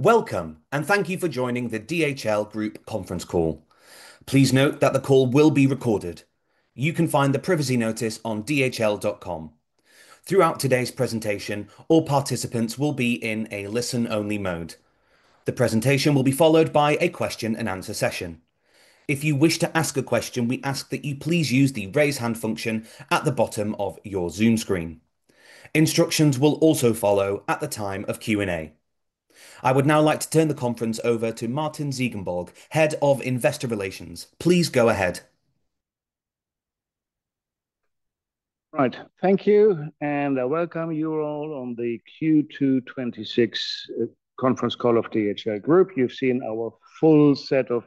Welcome. Thank you for joining the DHL Group conference call. Please note that the call will be recorded. You can find the privacy notice on dhl.com. Throughout today's presentation, all participants will be in a listen-only mode. The presentation will be followed by a question-and-answer session. If you wish to ask a question, we ask that you please use the raise hand function at the bottom of your Zoom screen. Instructions will also follow at the time of Q&A. I would now like to turn the conference over to Martin Ziegenbalg, Head of Investor Relations. Please go ahead. Right. Thank you. I welcome you all on the Q2 2026 conference call of DHL Group. You've seen our full set of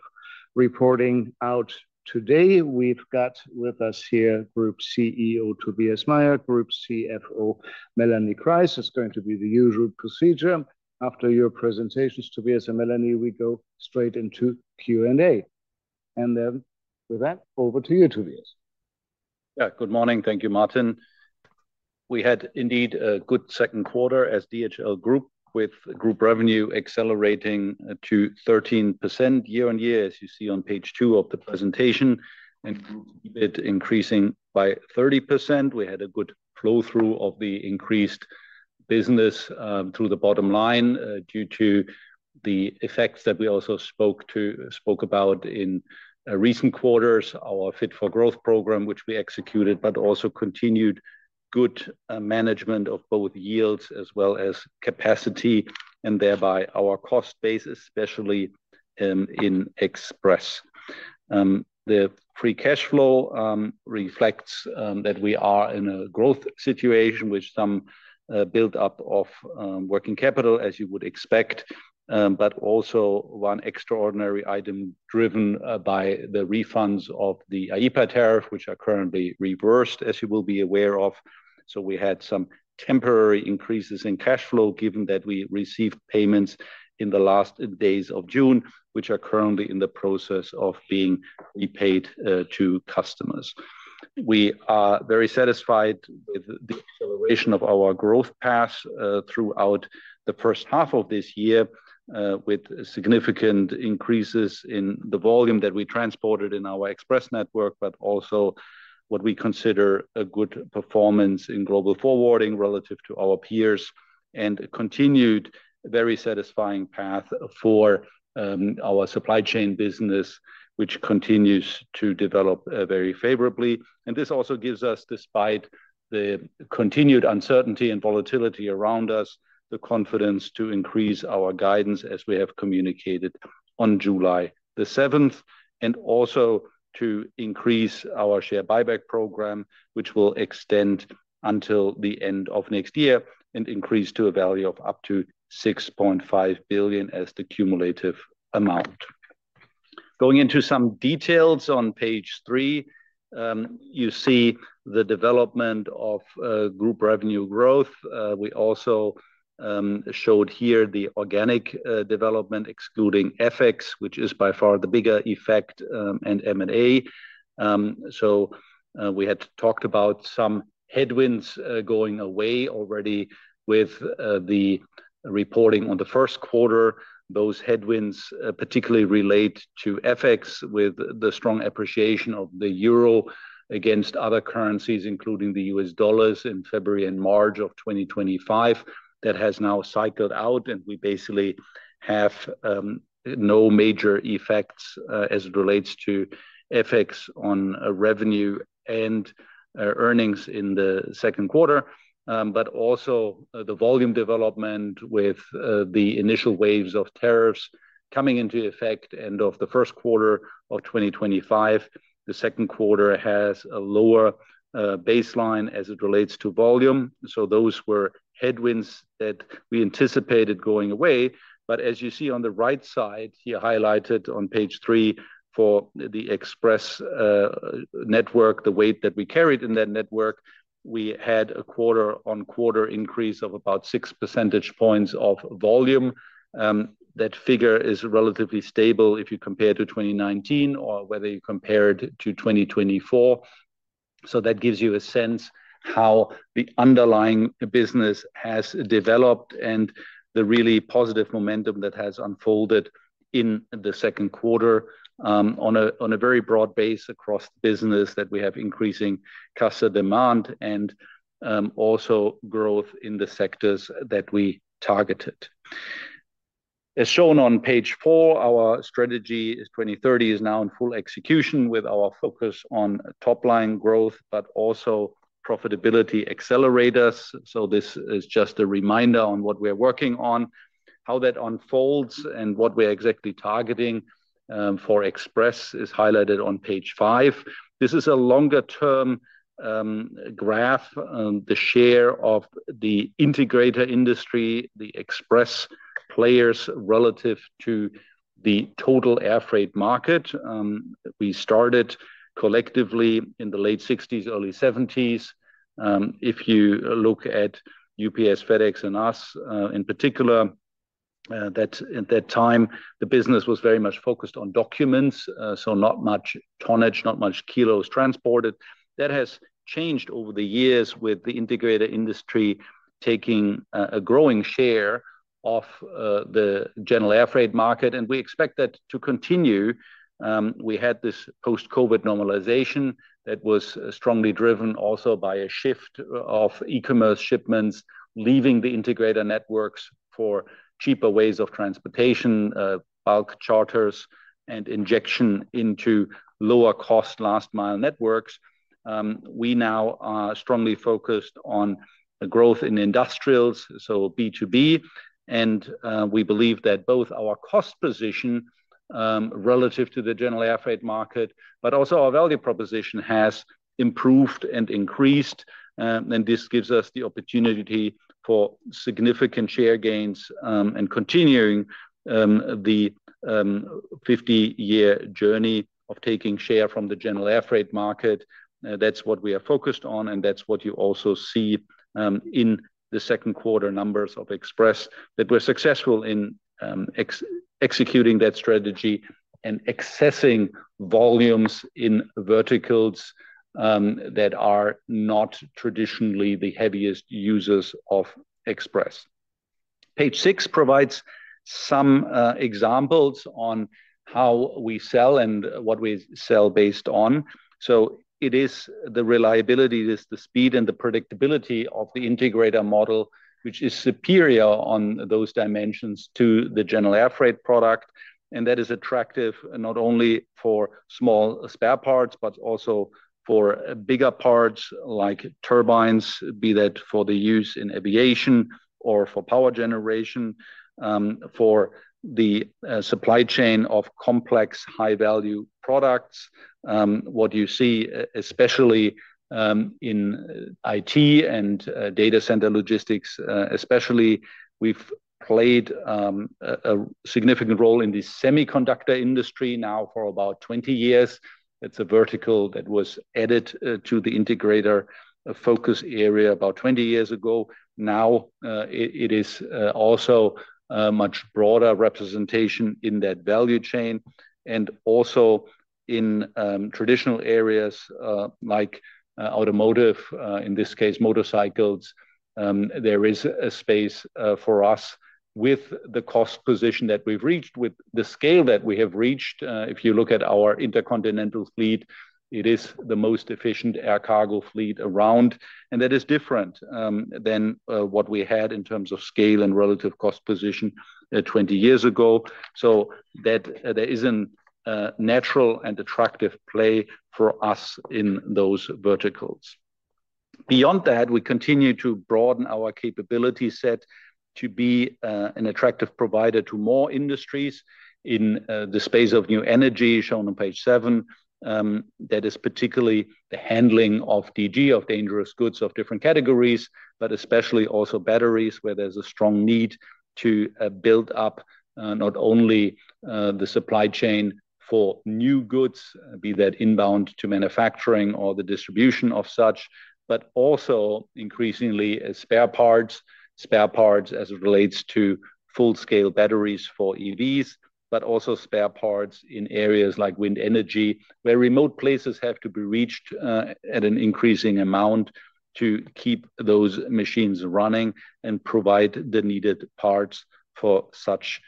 reporting out today. We've got with us here Group CEO, Tobias Meyer, Group CFO, Melanie Kreis. It's going to be the usual procedure. After your presentations, Tobias and Melanie, we go straight into Q&A. With that, over to you, Tobias. Yeah. Good morning. Thank you, Martin. We had indeed a good second quarter as DHL Group with group revenue accelerating to 13% year-on-year, as you see on page two of the presentation, group EBIT increasing by 30%. We had a good flow-through of the increased business through the bottom line due to the effects that we also spoke about in recent quarters, our Fit for Growth program, which we executed, also continued good management of both yields as well as capacity, and thereby our cost base, especially in Express. The free cash flow reflects that we are in a growth situation with some build-up of working capital, as you would expect. Also one extraordinary item driven by the refunds of the IEEPA tariff, which are currently reversed, as you will be aware of. We had some temporary increases in cash flow given that we received payments in the last days of June, which are currently in the process of being repaid to customers. We are very satisfied with the acceleration of our growth path throughout the first half of this year, with significant increases in the volume that we transported in our Express network, also what we consider a good performance in Global Forwarding relative to our peers and continued very satisfying path for our Supply Chain business, which continues to develop very favorably. This also gives us, despite the continued uncertainty and volatility around us, the confidence to increase our guidance as we have communicated on July the 7th. To increase our share buyback program, which will extend until the end of next year and increase to a value of up to 6.5 billion as the cumulative amount. Going into some details on page three, you see the development of group revenue growth. We also showed here the organic development excluding FX, which is by far the bigger effect, and M&A. We had talked about some headwinds going away already with the reporting on the first quarter. Those headwinds particularly relate to FX, with the strong appreciation of the euro against other currencies, including the U.S. dollars in February and March of 2025. That has now cycled out we basically have no major effects as it relates to FX on revenue and earnings in the second quarter. Also the volume development with the initial waves of tariffs coming into effect end of the first quarter of 2025. The second quarter has a lower baseline as it relates to volume. Those were headwinds that we anticipated going away. As you see on the right side, here highlighted on page three for the Express network, the weight that we carried in that network, we had a quarter-on-quarter increase of about 6 percentage points of volume. That figure is relatively stable if you compare to 2019 or whether you compare it to 2024. That gives you a sense how the underlying business has developed and the really positive momentum that has unfolded in the second quarter on a very broad base across the business that we have increasing customer demand and also growth in the sectors that we targeted. Shown on page four, our Strategy 2030 is now in full execution with our focus on top-line growth but also profitability accelerators. This is just a reminder on what we are working on. How that unfolds and what we are exactly targeting for Express is highlighted on page five. This is a longer-term graph. The share of the integrator industry, the Express players relative to the total air freight market. We started collectively in the late 1960s, early 1970s. If you look at UPS, FedEx, and us in particular. At that time, the business was very much focused on documents. Not much tonnage, not much kilos transported. That has changed over the years with the integrator industry taking a growing share of the general air freight market, we expect that to continue. We had this post-COVID normalization that was strongly driven also by a shift of e-commerce shipments leaving the integrator networks for cheaper ways of transportation, bulk charters, and injection into lower cost last mile networks. We now are strongly focused on the growth in industrials, B2B, we believe that both our cost position relative to the general air freight market, also our value proposition has improved and increased. This gives us the opportunity for significant share gains, continuing the 50-year journey of taking share from the general air freight market. That's what we are focused on, that's what you also see in the second quarter numbers of Express, that we're successful in executing that strategy and accessing volumes in verticals that are not traditionally the heaviest users of Express. Page six provides some examples on how we sell and what we sell based on. It is the reliability, it is the speed and the predictability of the integrator model which is superior on those dimensions to the general air freight product. That is attractive not only for small spare parts, but also for bigger parts like turbines, be that for the use in aviation or for power generation, for the supply chain of complex high-value products. What you see, especially in IT and data center logistics especially, we've played a significant role in the semiconductor industry now for about 20 years. It's a vertical that was added to the integrator focus area about 20 years ago. It is also a much broader representation in that value chain and also in traditional areas like automotive, in this case, motorcycles. There is a space for us with the cost position that we've reached, with the scale that we have reached. If you look at our intercontinental fleet, it is the most efficient air cargo fleet around, and that is different than what we had in terms of scale and relative cost position 20 years ago. There is a natural and attractive play for us in those verticals. Beyond that, we continue to broaden our capability set to be an attractive provider to more industries in the space of new energy, shown on page seven. That is particularly the handling of DG, of dangerous goods, of different categories, but especially also batteries, where there's a strong need to build up not only the supply chain for new goods, be that inbound to manufacturing or the distribution of such, but also increasingly spare parts. Spare parts as it relates to full-scale batteries for EVs, but also spare parts in areas like wind energy, where remote places have to be reached at an increasing amount to keep those machines running and provide the needed parts for such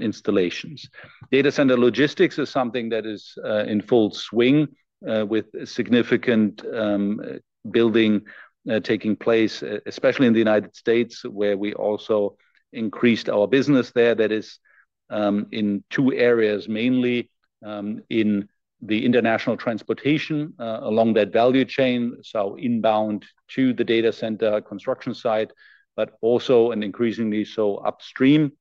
installations. Data center logistics is something that is in full swing with significant building taking place, especially in the U.S., where we also increased our business there. That is in two areas, mainly in the international transportation along that value chain. Inbound to the data center construction site, but also and increasingly so upstream.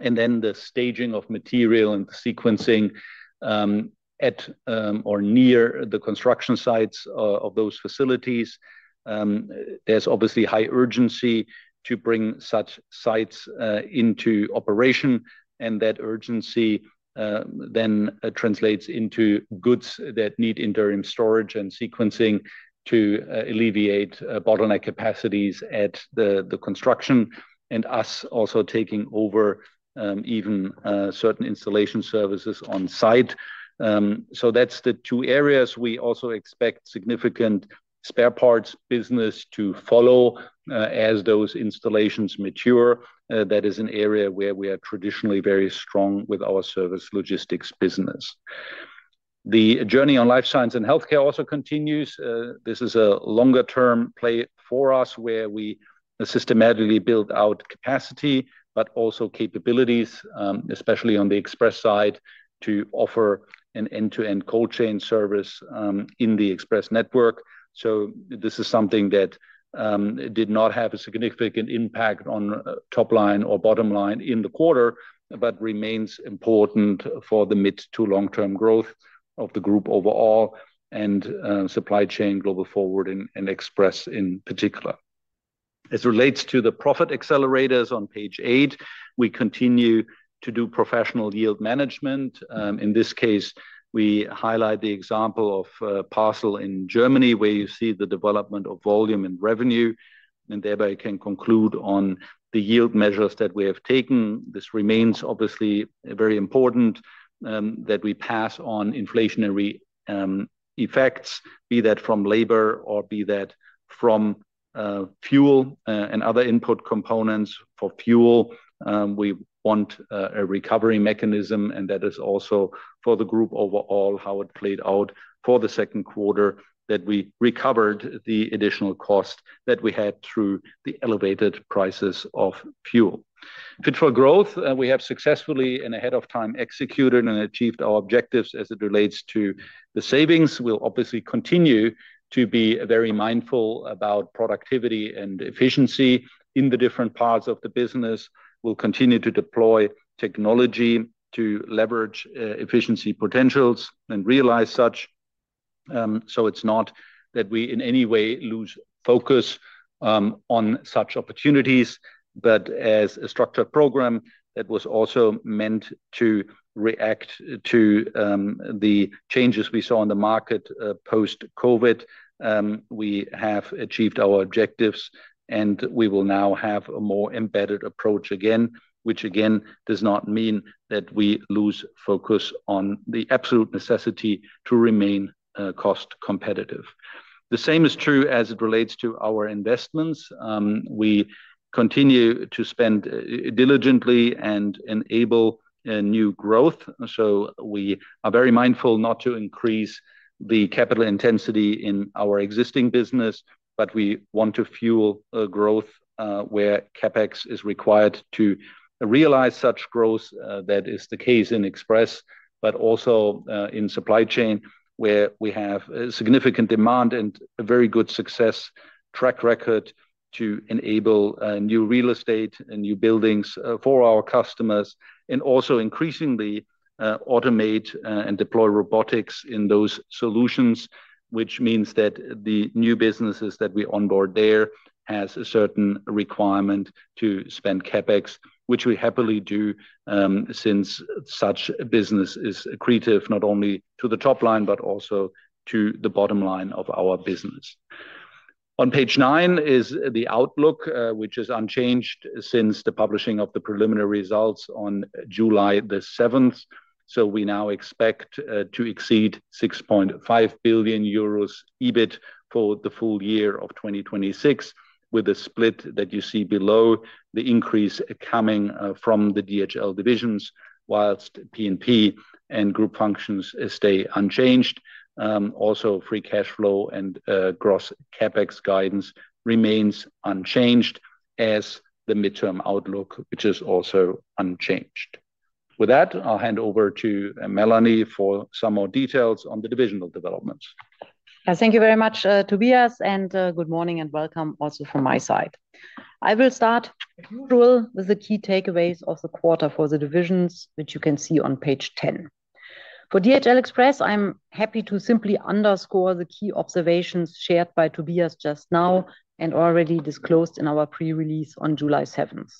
Then the staging of material and sequencing at or near the construction sites of those facilities. There's obviously high urgency to bring such sites into operation, and that urgency then translates into goods that need interim storage and sequencing to alleviate bottleneck capacities at the construction, and us also taking over even certain installation services on site. That's the two areas. We also expect significant spare parts business to follow as those installations mature. That is an area where we are traditionally very strong with our service logistics business. The journey on life science and healthcare also continues. This is a longer-term play for us where we systematically build out capacity but also capabilities, especially on the express side, to offer an end-to-end cold chain service in the express network. This is something that did not have a significant impact on top line or bottom line in the quarter, but remains important for the mid to long-term growth of the group overall and Supply Chain, Global Forwarding, and Express in particular. As it relates to the profit accelerators on page eight, we continue to do professional yield management. In this case, we highlight the example of a parcel in Germany where you see the development of volume and revenue, and thereby can conclude on the yield measures that we have taken. This remains obviously very important that we pass on inflationary effects, be that from labor or be that from fuel and other input components for fuel. For fuel. We want a recovery mechanism, and that is also for the group overall, how it played out for the second quarter, that we recovered the additional cost that we had through the elevated prices of fuel. Fit for Growth, we have successfully and ahead of time executed and achieved our objectives as it relates to the savings. We'll obviously continue to be very mindful about productivity and efficiency in the different parts of the business. We'll continue to deploy technology to leverage efficiency potentials and realize such. It's not that we, in any way, lose focus on such opportunities, but as a structured program that was also meant to react to the changes we saw in the market post-COVID. We have achieved our objectives and we will now have a more embedded approach again. Which, again, does not mean that we lose focus on the absolute necessity to remain cost competitive. The same is true as it relates to our investments. We continue to spend diligently and enable a new growth. We are very mindful not to increase the capital intensity in our existing business, but we want to fuel growth where CapEx is required to realize such growth. That is the case in Express, but also in Supply Chain where we have a significant demand and a very good success track record to enable new real estate and new buildings for our customers and also increasingly automate and deploy robotics in those solutions. Which means that the new businesses that we onboard there has a certain requirement to spend CapEx, which we happily do since such business is accretive not only to the top line, but also to the bottom line of our business. On page nine is the outlook, which is unchanged since the publishing of the preliminary results on July 7th. We now expect to exceed 6.5 billion euros EBIT for the full year of 2026 with a split that you see below the increase coming from the DHL divisions, whilst P&P and group functions stay unchanged. Also, free cash flow and gross CapEx guidance remains unchanged as the midterm outlook, which is also unchanged. With that, I'll hand over to Melanie for some more details on the divisional developments. Thank you very much, Tobias, and good morning and welcome also from my side. I will start as usual with the key takeaways of the quarter for the divisions, which you can see on page 10. For DHL Express, I am happy to simply underscore the key observations shared by Tobias just now and already disclosed in our pre-release on July 7th.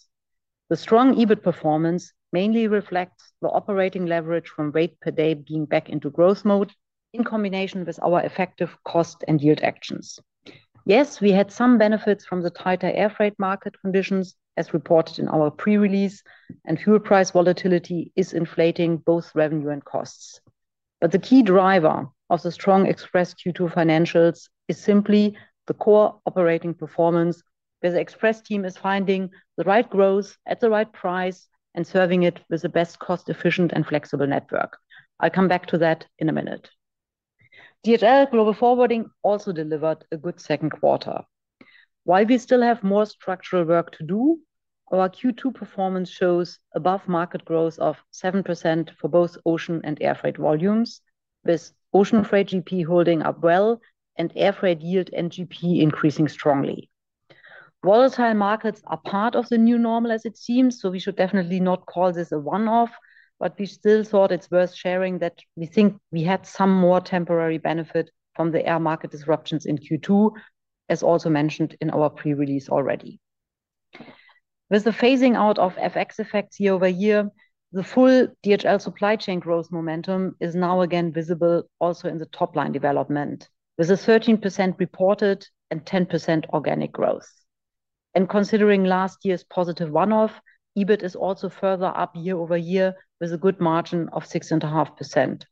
The strong EBIT performance mainly reflects the operating leverage from weight per day being back into growth mode in combination with our effective cost and yield actions. Yes, we had some benefits from the tighter air freight market conditions as reported in our pre-release, and fuel price volatility is inflating both revenue and costs. The key driver of the strong Express Q2 financials is simply the core operating performance where the Express team is finding the right growth at the right price and serving it with the best cost efficient and flexible network. I will come back to that in a minute. DHL Global Forwarding also delivered a good second quarter. While we still have more structural work to do, our Q2 performance shows above-market growth of 7% for both ocean and air freight volumes, with ocean freight GP holding up well and air freight yield and GP increasing strongly. Volatile markets are part of the new normal, as it seems, so we should definitely not call this a one-off. We still thought it is worth sharing that we think we had some more temporary benefit from the air market disruptions in Q2, as also mentioned in our pre-release already. With the phasing out of FX effects year-over-year, the full DHL Supply Chain growth momentum is now again visible also in the top line development with a 13% reported and 10% organic growth. Considering last year's positive one-off, EBIT is also further up year-over-year with a good margin of six and a half percent.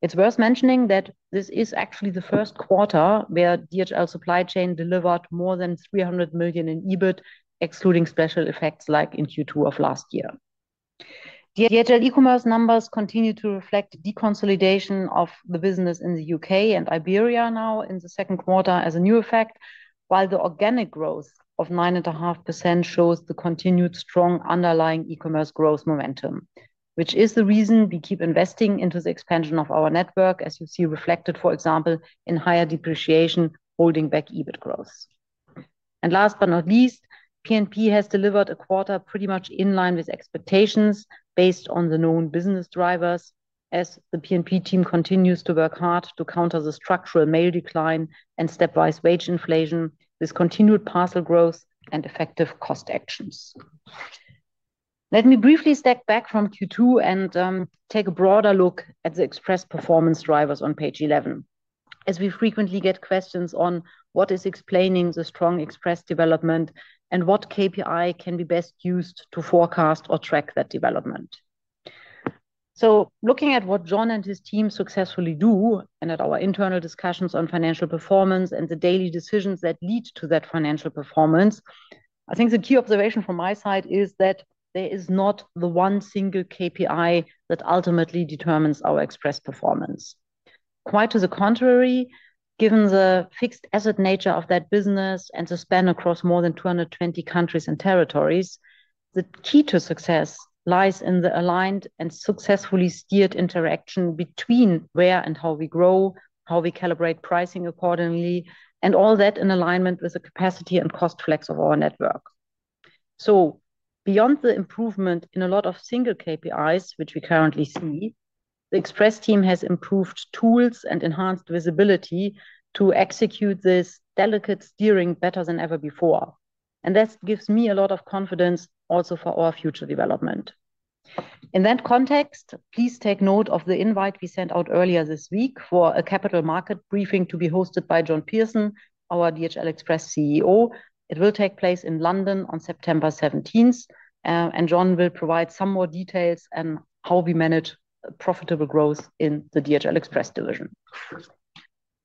It is worth mentioning that this is actually the first quarter where DHL Supply Chain delivered more than 300 million in EBIT, excluding special effects like in Q2 of last year. DHL eCommerce numbers continue to reflect deconsolidation of the business in the U.K. and Iberia now in the second quarter as a new effect. While the organic growth of nine and a half percent shows the continued strong underlying e-commerce growth momentum, which is the reason we keep investing into the expansion of our network, as you see reflected, for example, in higher depreciation holding back EBIT growth. Last but not least, P&P has delivered a quarter pretty much in line with expectations based on the known business drivers as the P&P team continues to work hard to counter the structural mail decline and stepwise wage inflation with continued parcel growth and effective cost actions. Let me briefly step back from Q2 and take a broader look at the Express performance drivers on page 11, as we frequently get questions on what is explaining the strong Express development and what KPI can be best used to forecast or track that development. Looking at what John and his team successfully do and at our internal discussions on financial performance and the daily decisions that lead to that financial performance, I think the key observation from my side is that there is not the one single KPI that ultimately determines our express performance. Quite to the contrary, given the fixed asset nature of that business and the span across more than 220 countries and territories, the key to success lies in the aligned and successfully steered interaction between where and how we grow, how we calibrate pricing accordingly, and all that in alignment with the capacity and cost flex of our network. Beyond the improvement in a lot of single KPIs, which we currently see, the express team has improved tools and enhanced visibility to execute this delicate steering better than ever before. That gives me a lot of confidence also for our future development. In that context, please take note of the invite we sent out earlier this week for a capital market briefing to be hosted by John Pearson, our DHL Express CEO. It will take place in London on September 17th. John will provide some more details on how we manage profitable growth in the DHL Express division.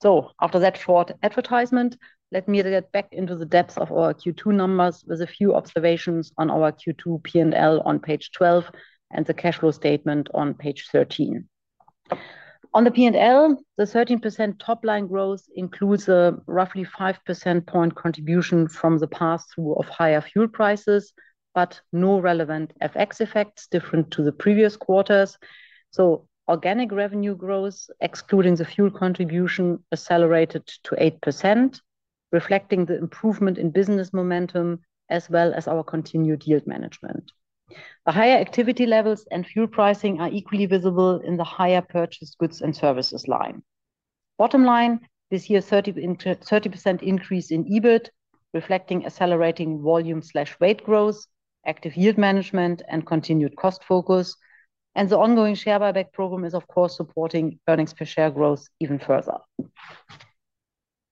After that short advertisement, let me get back into the depths of our Q2 numbers with a few observations on our Q2 P&L on page 12 and the cash flow statement on page 13. On the P&L, the 13% top-line growth includes a roughly 5% point contribution from the pass-through of higher fuel prices, but no relevant FX effects different to the previous quarters. Organic revenue growth, excluding the fuel contribution, accelerated to 8%, reflecting the improvement in business momentum as well as our continued yield management. The higher activity levels and fuel pricing are equally visible in the higher purchase goods and services line. Bottom line, we see a 30% increase in EBIT, reflecting accelerating volume/weight growth, active yield management, and continued cost focus. The ongoing share buyback program is, of course, supporting earnings per share growth even further.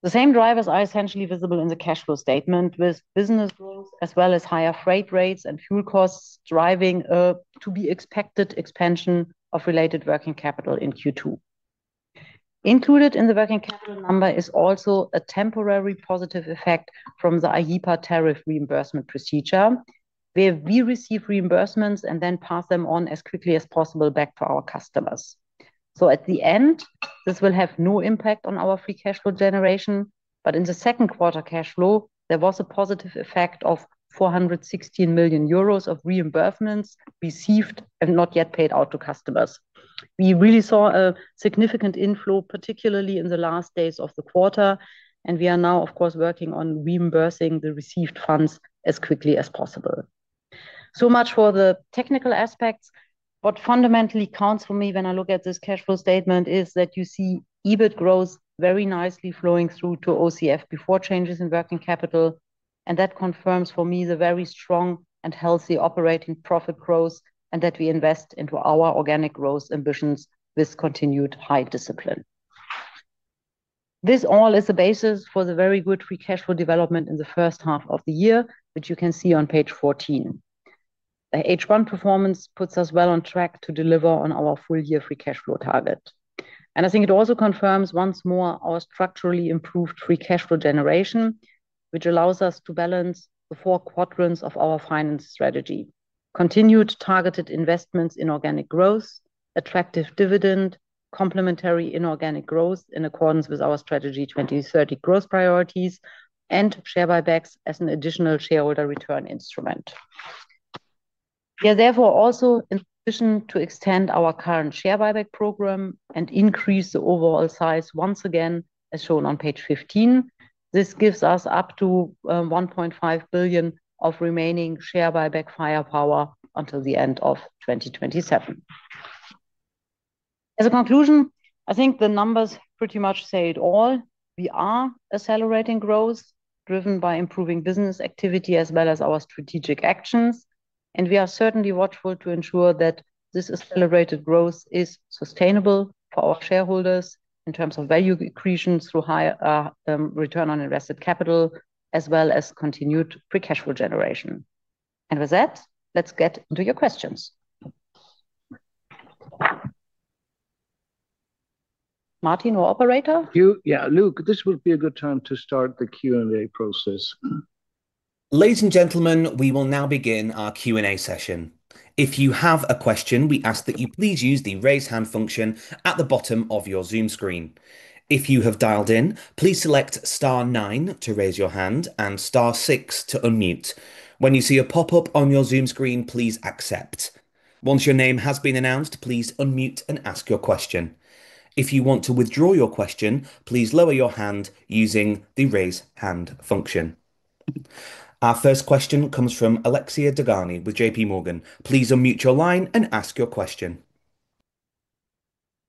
The same drivers are essentially visible in the cash flow statement, with business growth as well as higher freight rates and fuel costs driving a to-be-expected expansion of related working capital in Q2. Included in the working capital number is also a temporary positive effect from the IEEPA tariff reimbursement procedure, where we receive reimbursements and then pass them on as quickly as possible back to our customers. At the end, this will have no impact on our free cash flow generation, but in the second quarter cash flow, there was a positive effect of 416 million euros of reimbursements received and not yet paid out to customers. We really saw a significant inflow, particularly in the last days of the quarter, and we are now, of course, working on reimbursing the received funds as quickly as possible. Much for the technical aspects. What fundamentally counts for me when I look at this cash flow statement is that you see EBIT grows very nicely flowing through to OCF before changes in working capital. That confirms for me the very strong and healthy operating profit growth and that we invest into our organic growth ambitions with continued high discipline. This all is the basis for the very good free cash flow development in the first half of the year, which you can see on page 14. The H1 performance puts us well on track to deliver on our full-year free cash flow target. I think it also confirms once more our structurally improved free cash flow generation, which allows us to balance the four quadrants of our finance strategy: continued targeted investments in organic growth, attractive dividend, complementary inorganic growth in accordance with our Strategy 2030 growth priorities, and share buybacks as an additional shareholder return instrument. We are therefore also in a position to extend our current share buyback program and increase the overall size once again, as shown on page 15. This gives us up to 1.5 billion of remaining share buyback firepower until the end of 2027. As a conclusion, I think the numbers pretty much say it all. We are accelerating growth driven by improving business activity as well as our strategic actions, and we are certainly watchful to ensure that this accelerated growth is sustainable for our shareholders in terms of value accretion through higher return on invested capital as well as continued free cash flow generation. With that, let's get to your questions. Martin or operator? Yeah, Luke, this would be a good time to start the Q&A process. Ladies and gentlemen, we will now begin our Q&A session. If you have a question, we ask that you please use the raise hand function at the bottom of your Zoom screen. If you have dialed in, please select star nine to raise your hand and star six to unmute. When you see a pop-up on your Zoom screen, please accept. Once your name has been announced, please unmute and ask your question. If you want to withdraw your question, please lower your hand using the raise hand function. Our first question comes from Alexia Dogani with JPMorgan. Please unmute your line and ask your question.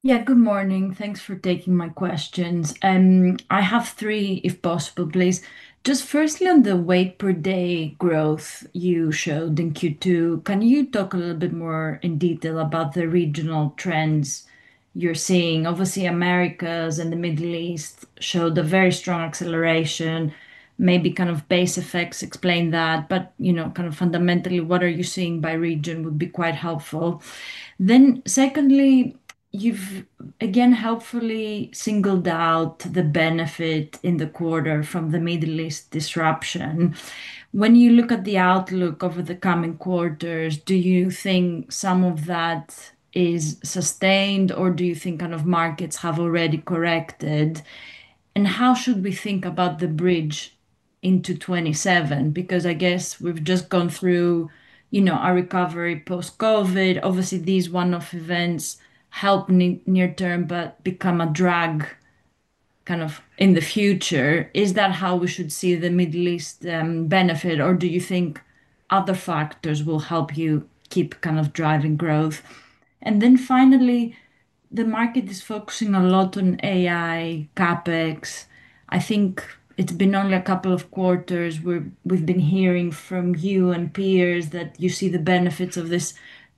Yeah. Good morning. Thanks for taking my questions. I have three, if possible, please. Just firstly, on the weight per day growth you showed in Q2, can you talk a little bit more in detail about the regional trends you're seeing? Obviously, Americas and the Middle East showed a very strong acceleration, maybe kind of base effects explain that. But kind of fundamentally, what are you seeing by region would be quite helpful. Secondly, you've again helpfully singled out the benefit in the quarter from the Middle East disruption. When you look at the outlook over the coming quarters, do you think some of that is sustained or do you think kind of markets have already corrected? How should we think about the bridge into 2027? I guess we've just gone through our recovery post-COVID. Obviously, these one-off events help near term, but become a drag kind of in the future. Is that how we should see the Middle East benefit or do you think other factors will help you keep kind of driving growth? Finally, the market is focusing a lot on AI CapEx. I think it's been only a couple of quarters where we've been hearing from you and peers that you see the benefits of this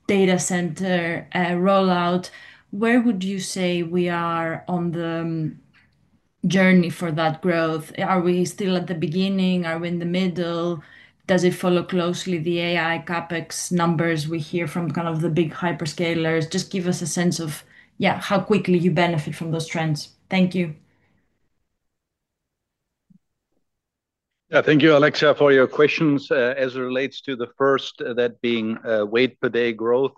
data center rollout. Where would you say we are on the journey for that growth? Are we still at the beginning? Are we in the middle? Does it follow closely the AI CapEx numbers we hear from kind of the big hyperscalers? Just give us a sense of, yeah, how quickly you benefit from those trends. Thank you. Yeah. Thank you, Alexia, for your questions. As it relates to the first, that being weight per day growth,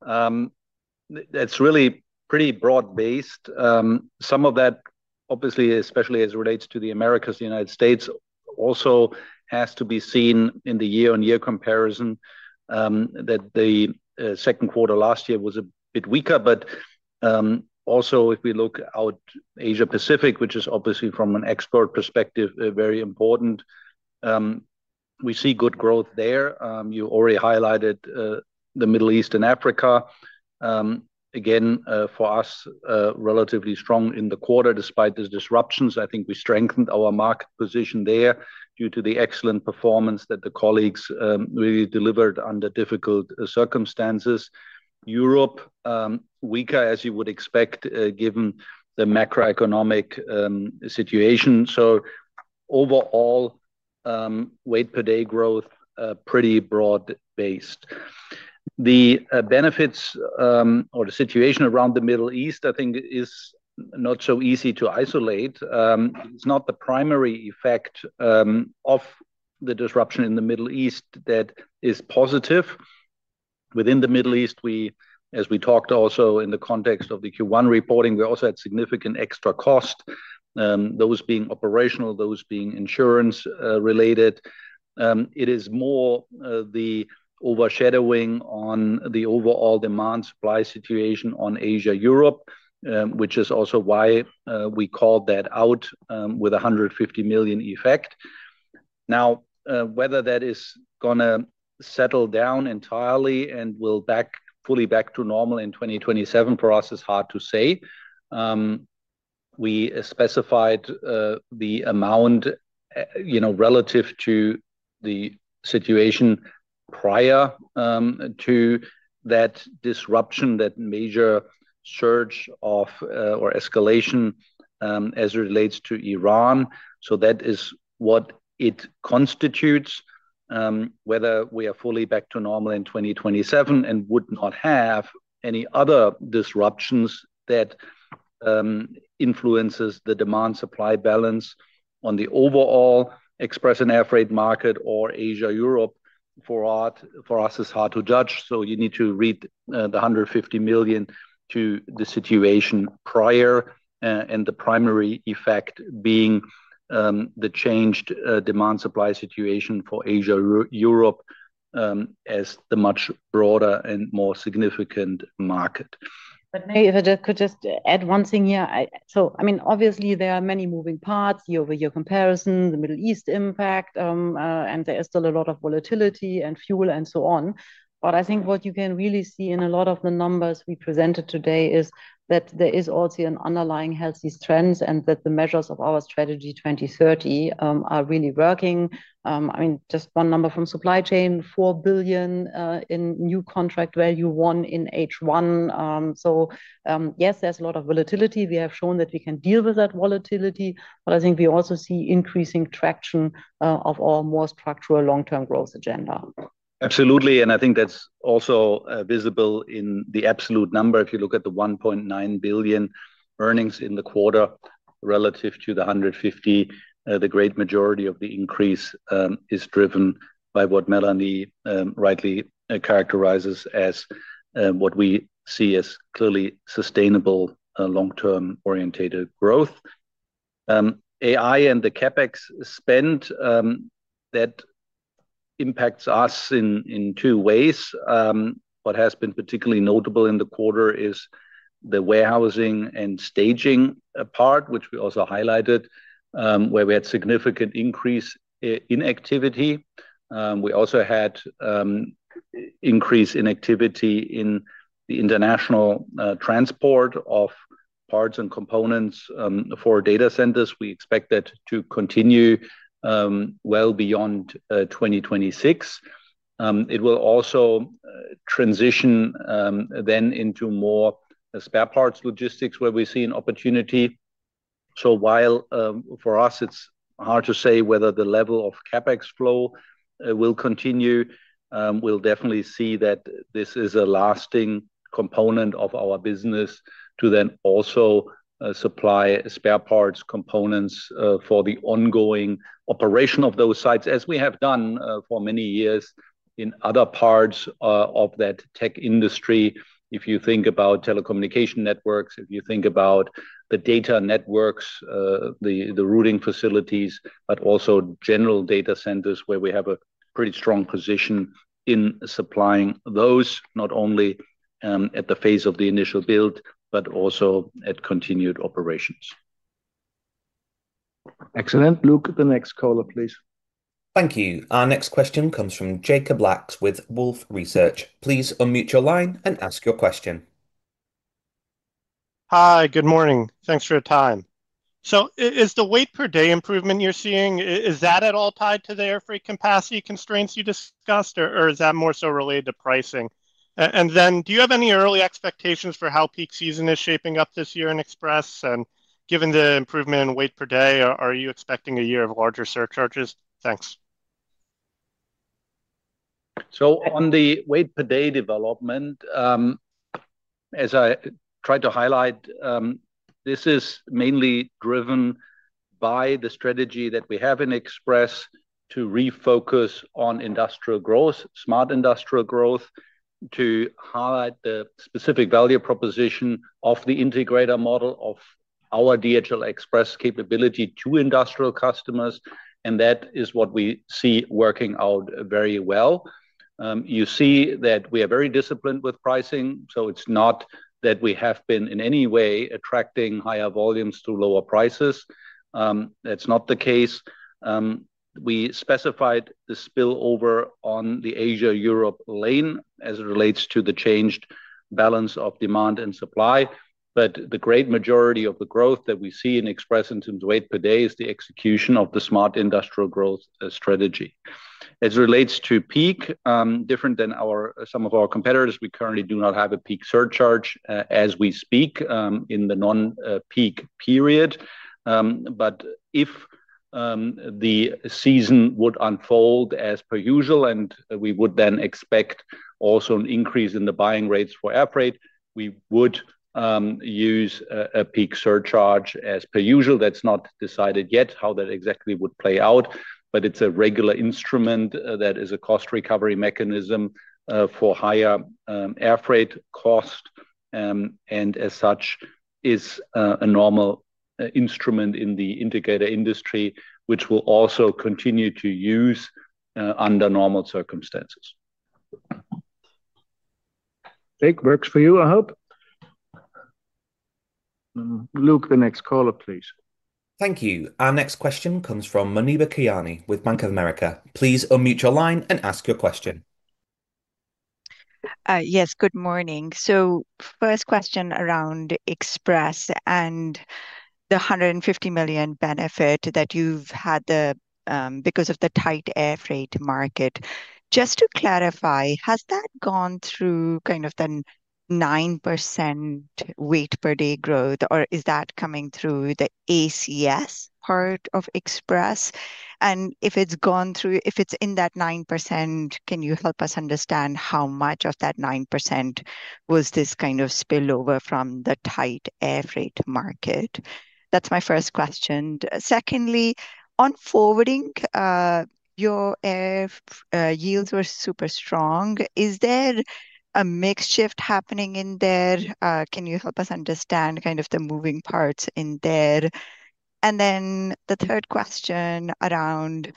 that's really pretty broad based. Some of that obviously, especially as it relates to the Americas, the United States also has to be seen in the year-on-year comparison, that the second quarter last year was a bit weaker. But also if we look out Asia Pacific, which is obviously from an export perspective, very important, we see good growth there. You already highlighted the Middle East and Africa. Again, for us, relatively strong in the quarter despite the disruptions. I think we strengthened our market position there due to the excellent performance that the colleagues really delivered under difficult circumstances. Europe, weaker, as you would expect given the macroeconomic situation. Overall, weight per day growth, pretty broad based. The benefits or the situation around the Middle East, I think is not so easy to isolate. It's not the primary effect of the disruption in the Middle East that is positive. Within the Middle East, as we talked also in the context of the Q1 reporting, we also had significant extra cost. Those being operational, those being insurance related. It is more the overshadowing on the overall demand supply situation on Asia, Europe, which is also why we called that out with 150 million effect. Now whether that is going to settle down entirely and will fully back to normal in 2027 for us is hard to say. We specified the amount relative to the situation prior to that disruption, that major surge of or escalation as it relates to Iran. That is what it constitutes. Whether we are fully back to normal in 2027 and would not have any other disruptions that influences the demand supply balance on the overall express and airfreight market or Asia, Europe for us is hard to judge. You need to read the 150 million to the situation prior and the primary effect being the changed demand supply situation for Asia, Europe as the much broader and more significant market. Maybe if I could just add one thing here. Obviously there are many moving parts, year-over-year comparison, the Middle East impact. There is still a lot of volatility and fuel and so on. I think what you can really see in a lot of the numbers we presented today is that there is also an underlying healthy trends and that the measures of our Strategy 2030 are really working. Just one number from supply chain, 4 billion in new contract value won in H1. Yes, there's a lot of volatility. We have shown that we can deal with that volatility. I think we also see increasing traction of our more structural long-term growth agenda. Absolutely, I think that's also visible in the absolute number. If you look at the 1.9 billion earnings in the quarter relative to the 150 million, the great majority of the increase is driven by what Melanie rightly characterizes as what we see as clearly sustainable long-term orientated growth. AI and the CapEx spend that impacts us in two ways. What has been particularly notable in the quarter is the warehousing and staging part, which we also highlighted, where we had significant increase in activity. We also had increase in activity in the international transport of parts and components for data centers. We expect that to continue well beyond 2026. It will also transition then into more spare parts logistics, where we see an opportunity. While for us it's hard to say whether the level of CapEx flow will continue, we'll definitely see that this is a lasting component of our business to then also supply spare parts components for the ongoing operation of those sites, as we have done for many years in other parts of that tech industry. If you think about telecommunication networks, if you think about the data networks, the routing facilities, but also general data centers, where we have a pretty strong position in supplying those, not only at the phase of the initial build, but also at continued operations. Excellent. Luke, the next caller, please. Thank you. Our next question comes from Jacob Lacks with Wolfe Research. Please unmute your line and ask your question. Hi. Good morning. Thanks for your time. Is the weight per day improvement you're seeing, is that at all tied to the air freight capacity constraints you discussed, or is that more so related to pricing? Then do you have any early expectations for how peak season is shaping up this year in Express? Given the improvement in weight per day, are you expecting a year of larger surcharges? Thanks. On the weight per day development, as I tried to highlight, this is mainly driven by the strategy that we have in Express to refocus on industrial growth, smart industrial growth, to highlight the specific value proposition of the integrator model of our DHL Express capability to industrial customers, and that is what we see working out very well. You see that we are very disciplined with pricing, it's not that we have been, in any way, attracting higher volumes to lower prices. That's not the case. We specified the spillover on the Asia-Europe lane as it relates to the changed balance of demand and supply. The great majority of the growth that we see in Express in terms of weight per day is the execution of the smart industrial growth strategy. As it relates to peak, different than some of our competitors, we currently do not have a peak surcharge as we speak in the non-peak period. If the season would unfold as per usual, and we would then expect also an increase in the buying rates for air freight, we would use a peak surcharge as per usual. That's not decided yet how that exactly would play out, but it's a regular instrument that is a cost recovery mechanism for higher air freight cost, and as such, is a normal instrument in the integrator industry, which we'll also continue to use under normal circumstances. Jake, works for you, I hope. Luke, the next caller, please. Thank you. Our next question comes from Muneeba Kayani with Bank of America. Please unmute your line and ask your question. Yes, good morning. First question around Express and the 150 million benefit that you've had because of the tight air freight market. Just to clarify, has that gone through kind of the 9% weight per day growth, or is that coming through the ACS part of Express? If it's in that 9%, can you help us understand how much of that 9% was this kind of spillover from the tight air freight market? That's my first question. Secondly, on Forwarding, your air yields were super strong. Is there a mix shift happening in there? Can you help us understand kind of the moving parts in there? The third question around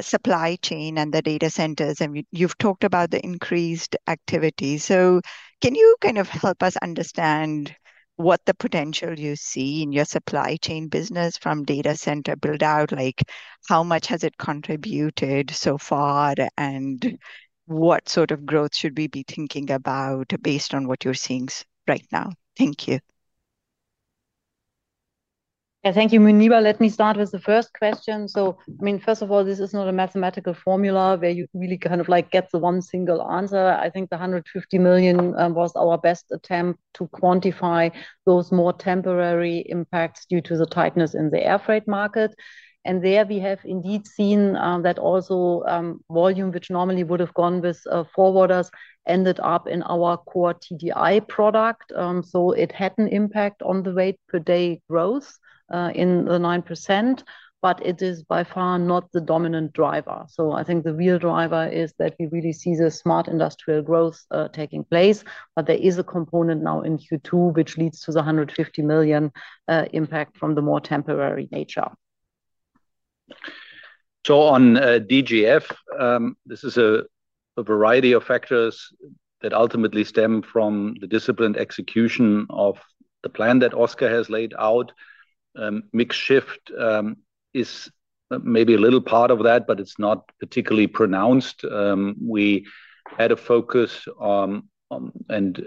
supply chain and the data centers, and you've talked about the increased activity. Can you kind of help us understand what the potential you see in your Supply Chain business from data center build-out? How much has it contributed so far, and what sort of growth should we be thinking about based on what you're seeing right now? Thank you. Thank you, Muneeba. Let me start with the first question. First of all, this is not a mathematical formula where you really kind of get the one single answer. I think the 150 million was our best attempt to quantify those more temporary impacts due to the tightness in the air freight market. There we have indeed seen that also volume, which normally would have gone with forwarders, ended up in our core TDI product. It had an impact on the weight per day growth in the 9%, but it is by far not the dominant driver. I think the real driver is that we really see the smart industrial growth taking place. There is a component now in Q2 which leads to the 150 million impact from the more temporary nature. On DGF, this is a variety of factors that ultimately stem from the disciplined execution of the plan that Oscar has laid out. Mix shift is maybe a little part of that, it's not particularly pronounced. We had a focus and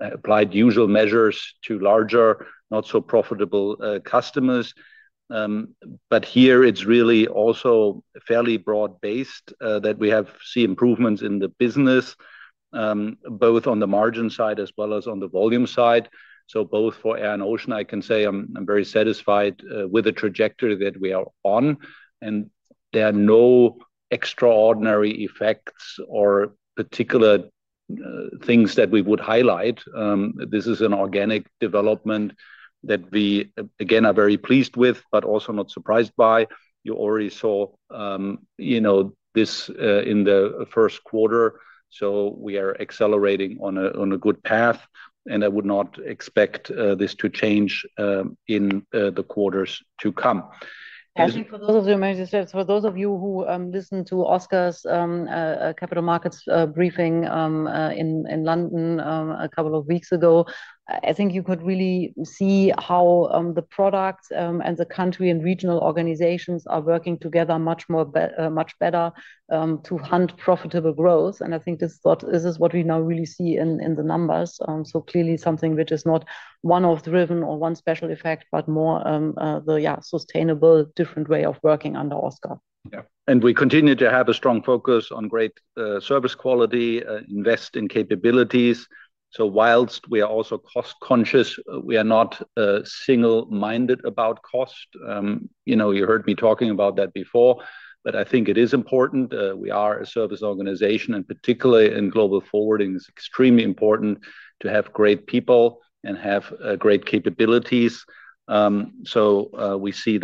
applied usual measures to larger, not so profitable customers. Here it's really also fairly broad-based that we have seen improvements in the business both on the margin side as well as on the volume side. Both for air and ocean, I can say I'm very satisfied with the trajectory that we are on. There are no extraordinary effects or particular things that we would highlight. This is an organic development that we, again, are very pleased with, but also not surprised by. You already saw this in the first quarter. We are accelerating on a good path, I would not expect this to change in the quarters to come. For those of you, as I said, for those of you who listened to Oscar's capital markets briefing in London a couple of weeks ago, I think you could really see how the product and the country and regional organizations are working together much better to hunt profitable growth. I think this is what we now really see in the numbers. Clearly something which is not one-off driven or one special effect, but more the, yeah, sustainable, different way of working under Oscar. Yeah. We continue to have a strong focus on great service quality, invest in capabilities. Whilst we are also cost conscious, we are not single-minded about cost. You heard me talking about that before, but I think it is important. We are a service organization and particularly in Global Forwarding is extremely important to have great people and have great capabilities. We see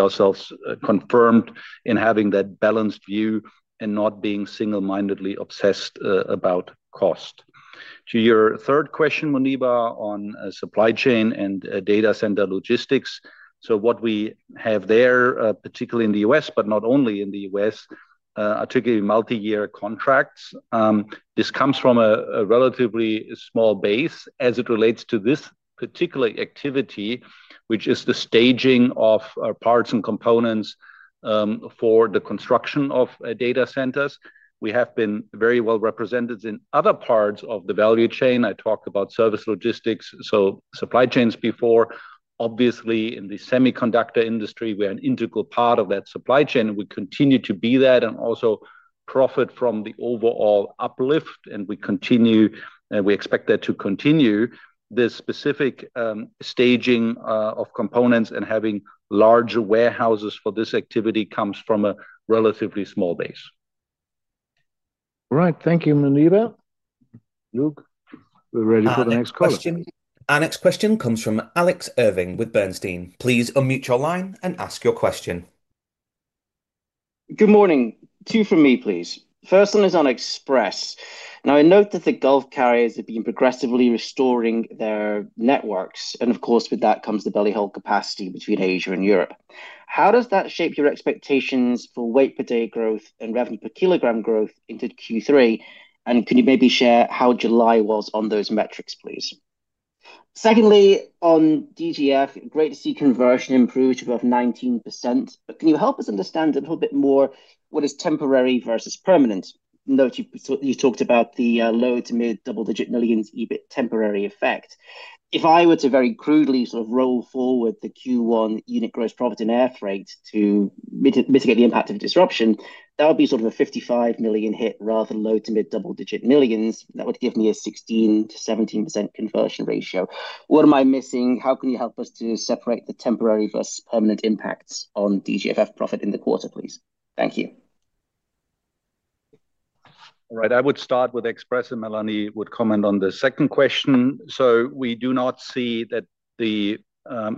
ourselves confirmed in having that balanced view and not being single-mindedly obsessed about cost. To your third question, Muneeba, on supply chain and data center logistics. What we have there, particularly in the U.S., but not only in the U.S., are typically multi-year contracts. This comes from a relatively small base as it relates to this particular activity, which is the staging of parts and components for the construction of data centers. We have been very well represented in other parts of the value chain. I talked about service logistics, so supply chains before. Obviously in the semiconductor industry, we're an integral part of that supply chain and we continue to be that and also profit from the overall uplift. We expect that to continue. This specific staging of components and having larger warehouses for this activity comes from a relatively small base. Right. Thank you, Muneeba. Luke, we're ready for the next caller. Our next question comes from Alex Irving with Bernstein. Please unmute your line and ask your question. Good morning. Two from me, please. First one is on Express. I note that the Gulf carriers have been progressively restoring their networks and of course with that comes the belly hold capacity between Asia and Europe. How does that shape your expectations for weight per day growth and revenue per kilogram growth into Q3? Can you maybe share how July was on those metrics, please? Secondly, on DGF, great to see conversion improve to above 19%, can you help us understand a little bit more what is temporary versus permanent? Note you talked about the low to mid double-digit millions EBIT temporary effect. If I were to very crudely sort of roll forward the Q1 unit gross profit and air freight to mitigate the impact of disruption, that would be sort of a 55 million hit rather low to mid double-digit millions. That would give me a 16%-17% conversion ratio. What am I missing? How can you help us to separate the temporary versus permanent impacts on DGFF profit in the quarter, please? Thank you. All right. I would start with Express and Melanie would comment on the second question. We do not see that the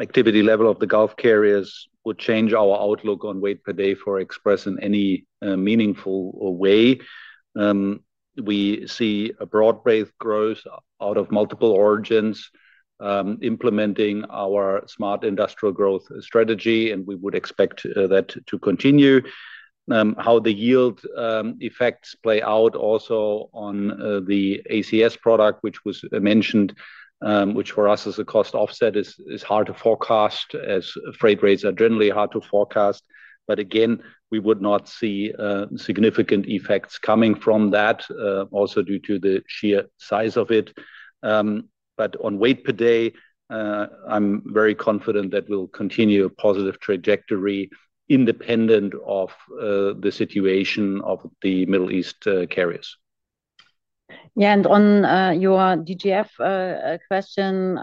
activity level of the Gulf carriers would change our outlook on weight per day for Express in any meaningful way. We see a broad-based growth out of multiple origins, implementing our smart industrial growth strategy and we would expect that to continue. How the yield effects play out also on the ACS product which was mentioned, which for us as a cost offset is hard to forecast as freight rates are generally hard to forecast. Again, we would not see significant effects coming from that also due to the sheer size of it. On weight per day, I'm very confident that we'll continue a positive trajectory independent of the situation of the Middle East carriers. On your DGF question.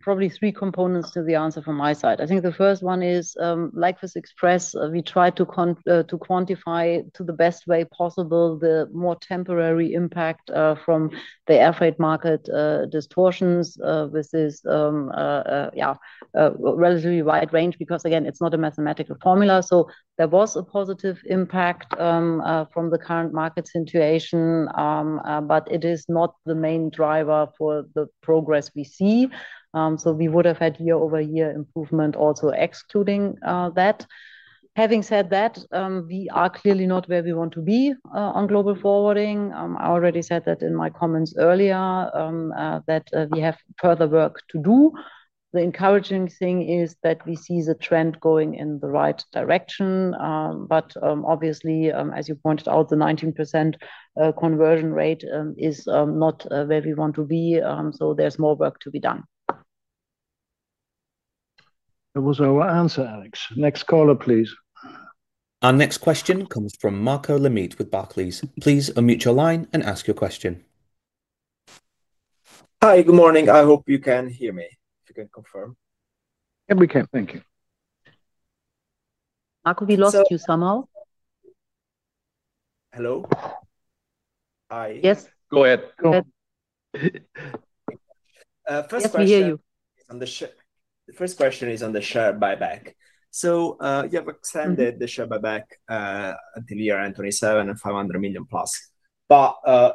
Probably three components to the answer from my side. I think the first one is, like with Express, we try to quantify to the best way possible the more temporary impact from the air freight market distortions. This is a relatively wide range because again it's not a mathematical formula. There was a positive impact from the current market situation. It is not the main driver for the progress we see. We would have had year-over-year improvement also excluding that. Having said that, we are clearly not where we want to be on Global Forwarding. I already said that in my comments earlier that we have further work to do. The encouraging thing is that we see the trend going in the right direction. Obviously, as you pointed out, the 19% conversion rate is not where we want to be. There's more work to be done That was our answer, Alex. Next caller, please. Our next question comes from Marco Limite with Barclays. Please unmute your line and ask your question. Hi. Good morning. I hope you can hear me. If you can confirm. Yeah, we can. Thank you. Marco, we lost you somehow. Hello? Hi. Yes. Go ahead. Go ahead. Yes, we hear you. The first question is on the share buyback. You have extended the share buyback until year-end 2027 and 500 million plus.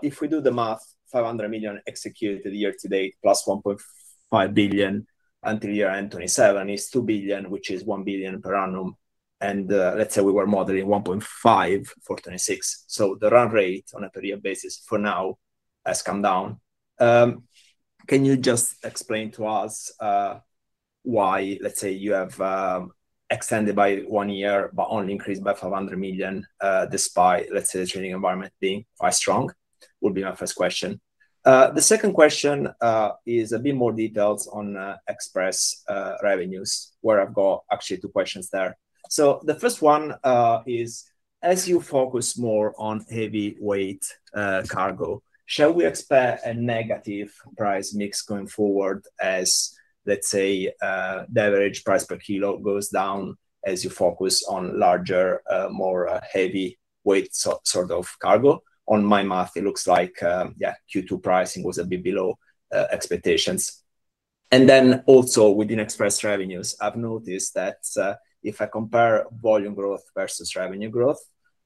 If we do the math, 500 million executed year to date plus 1.5 billion until year-end 2027 is 2 billion, which is 1 billion per annum. Let's say we were modeling 1.5 billion for 2026. The run rate on a per year basis for now has come down. Can you just explain to us why, let's say, you have extended by one year but only increased by 500 million, despite, let's say, the trading environment being quite strong? Would be my first question. The second question is a bit more details on express revenues, where I've got actually two questions there. The first one is, as you focus more on heavyweight cargo, shall we expect a negative price mix going forward as, let's say, the average price per kilo goes down, as you focus on larger, more heavyweight sort of cargo? On my math, it looks like, yeah, Q2 pricing was a bit below expectations. Also within express revenues, I've noticed that if I compare volume growth versus revenue growth,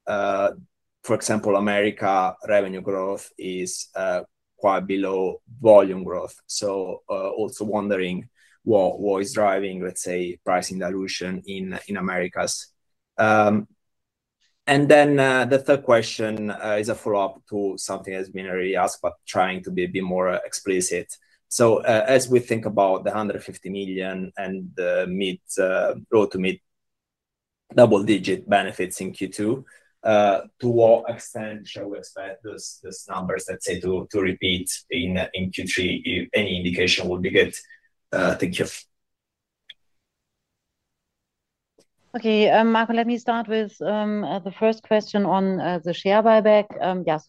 for example, Americas revenue growth is quite below volume growth. Also wondering what is driving, let's say, pricing dilution in Americas. The third question is a follow-up to something that's been already asked, but trying to be a bit more explicit. As we think about the 150 million and the low- to mid-double-digit benefits in Q2, to what extent shall we expect those numbers, let's say, to repeat in Q3? Any indication would be good. Thank you. Okay. Marco, let me start with the first question on the share buyback.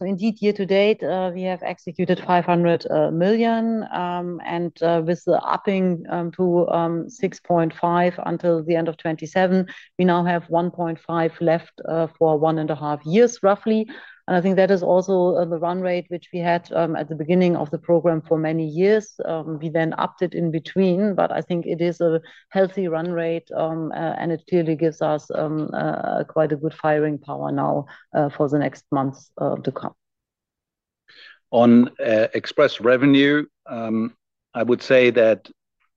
Indeed, year to date, we have executed 500 million. With the upping to 6.5 billion until the end of 2027, we now have 1.5 billion left for one and a half years roughly. I think that is also the run rate which we had at the beginning of the program for many years. We upped it in between, I think it is a healthy run rate. It clearly gives us quite a good firing power now for the next months to come. On Express revenue, I would say that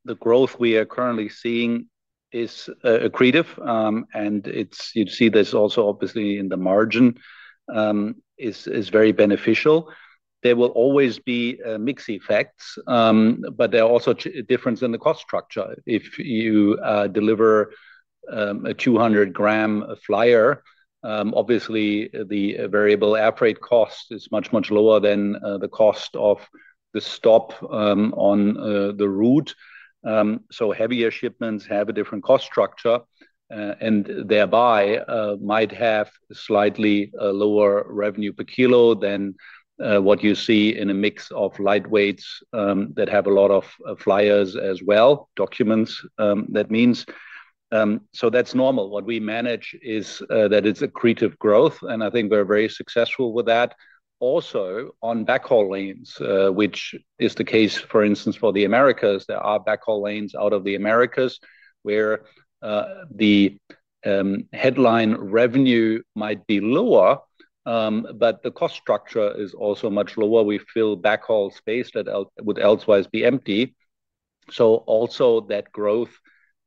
the growth we are currently seeing is accretive. You see this also obviously in the margin. It's very beneficial. There will always be mix effects, but there are also difference in the cost structure. If you deliver a 200-g flyer, obviously the variable air freight cost is much, much lower than the cost of the stop on the route. Heavier shipments have a different cost structure and thereby might have slightly lower revenue per kilo than what you see in a mix of lightweights that have a lot of flyers as well, documents that means. That's normal. What we manage is that it's accretive growth, I think we're very successful with that. Also on backhaul lanes, which is the case, for instance, for the Americas. There are backhaul lanes out of the Americas where the headline revenue might be lower, but the cost structure is also much lower. We fill backhaul space that would elsewise be empty. Also that growth,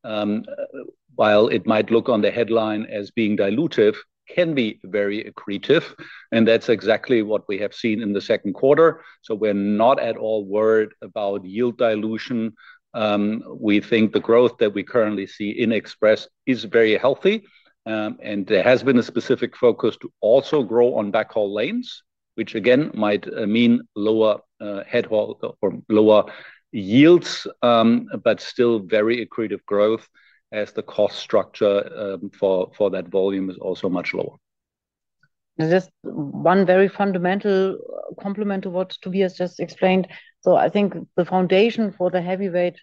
while it might look on the headline as being dilutive, can be very accretive and that's exactly what we have seen in the second quarter. We're not at all worried about yield dilution. We think the growth that we currently see in Express is very healthy. There has been a specific focus to also grow on backhaul lanes, which again might mean lower yields. Still very accretive growth as the cost structure for that volume is also much lower. Just one very fundamental complement to what Tobias just explained. I think the foundation for the heavyweight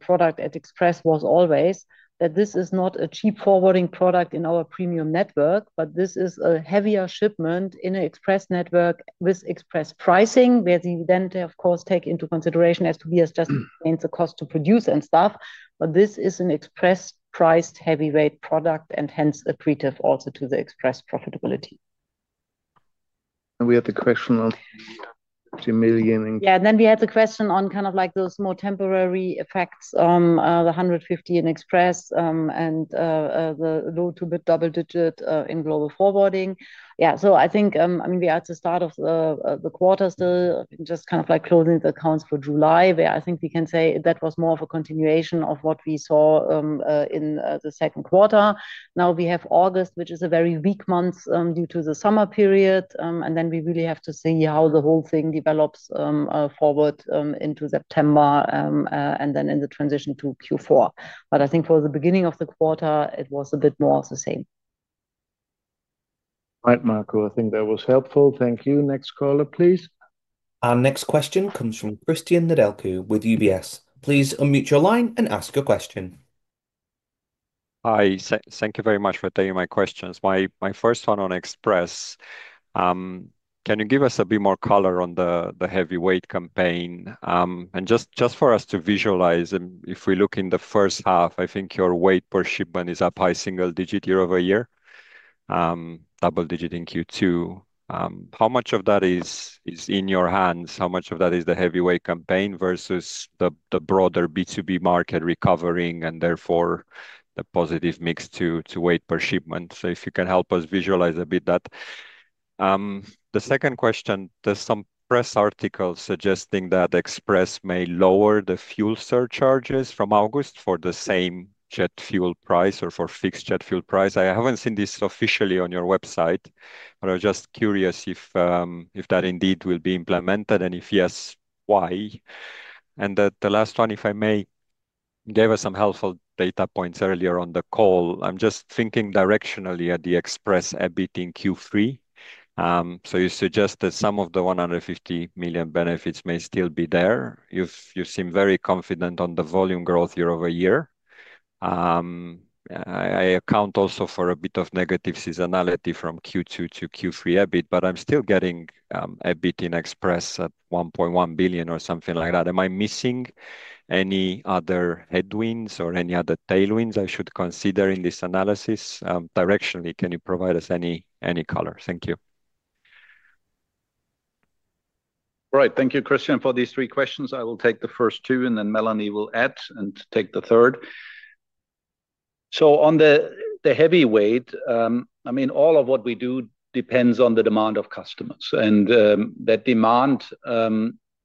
product at Express was always that this is not a cheap forwarding product in our premium network, but this is a heavier shipment in an Express network with Express pricing where you then, of course, take into consideration, as Tobias just explained, the cost to produce and stuff. This is an Express priced heavyweight product and hence accretive also to the Express profitability. We had the question on the 2 million. We had the question on kind of like those more temporary effects, the 150 million in Express, and the low to mid double digit in Global Forwarding. I think, we are at the start of the quarter still just kind of like closing the accounts for July where I think we can say that was more of a continuation of what we saw in the second quarter. Now we have August, which is a very weak month due to the summer period. Then we really have to see how the whole thing develops forward into September, and then in the transition to Q4. I think for the beginning of the quarter it was a bit more the same. Right, Marco. I think that was helpful. Thank you. Next caller, please. Our next question comes from Cristian Nedelcu with UBS. Please unmute your line and ask a question. Hi. Thank you very much for taking my questions. My first one on Express. Can you give us a bit more color on the heavyweight campaign? Just for us to visualize, if we look in the first half, I think your weight per shipment is up high single-digit year-over-year, double-digit in Q2. How much of that is in your hands? How much of that is the heavyweight campaign versus the broader B2B market recovering and therefore the positive mix to weight per shipment? If you can help us visualize a bit that. The second question. There's some press articles suggesting that Express may lower the fuel surcharges from August for the same jet fuel price or for fixed jet fuel price. I haven't seen this officially on your website, but I was just curious if that indeed will be implemented, and if yes, why? The last one, if I may. You gave us some helpful data points earlier on the call. I'm just thinking directionally at the Express EBIT in Q3. You suggest that some of the 150 million benefits may still be there. You seem very confident on the volume growth year-over-year. I account also for a bit of negative seasonality from Q2 to Q3 EBIT, but I'm still getting EBIT in Express at 1.1 billion or something like that. Am I missing any other headwinds or any other tailwinds I should consider in this analysis? Directionally, can you provide us any color? Thank you. Right. Thank you, Cristian, for these three questions. I will take the first two and then Melanie will add and take the third. On the heavyweight, all of what we do depends on the demand of customers. That demand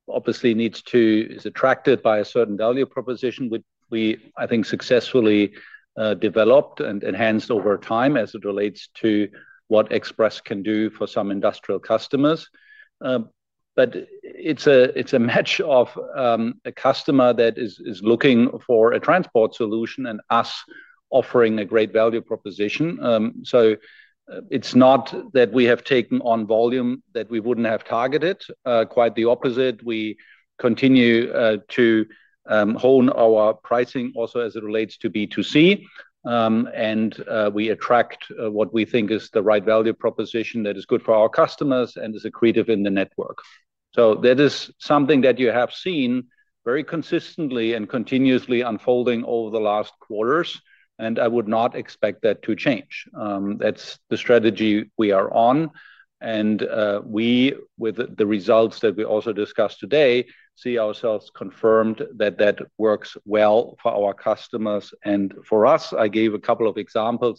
obviously is attracted by a certain value proposition, which we, I think, successfully developed and enhanced over time as it relates to what Express can do for some industrial customers. It's a match of a customer that is looking for a transport solution and us offering a great value proposition. It's not that we have taken on volume that we wouldn't have targeted. Quite the opposite. We continue to hone our pricing also as it relates to B2C. We attract what we think is the right value proposition that is good for our customers and is accretive in the network. That is something that you have seen very consistently and continuously unfolding over the last quarters, and I would not expect that to change. That's the strategy we are on. We, with the results that we also discussed today, see ourselves confirmed that that works well for our customers and for us. I gave a couple of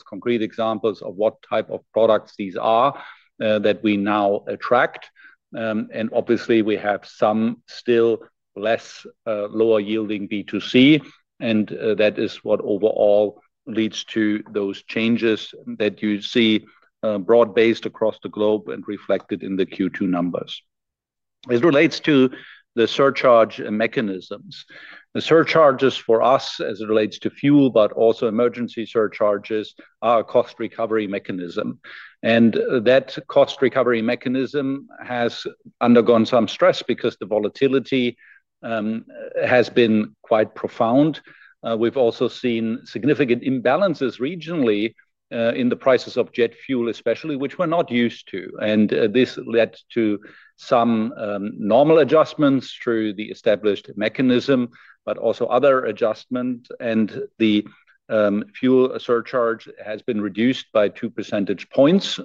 concrete examples of what type of products these are that we now attract. Obviously, we have some still less lower yielding B2C, and that is what overall leads to those changes that you see broad-based across the globe and reflected in the Q2 numbers. As it relates to the surcharge mechanisms. The surcharges for us as it relates to fuel, but also emergency surcharges are a cost recovery mechanism. That cost recovery mechanism has undergone some stress because the volatility has been quite profound. We've also seen significant imbalances regionally, in the prices of jet fuel especially, which we are not used to. This led to some normal adjustments through the established mechanism, but also other adjustments. The fuel surcharge has been reduced by 2 percentage points.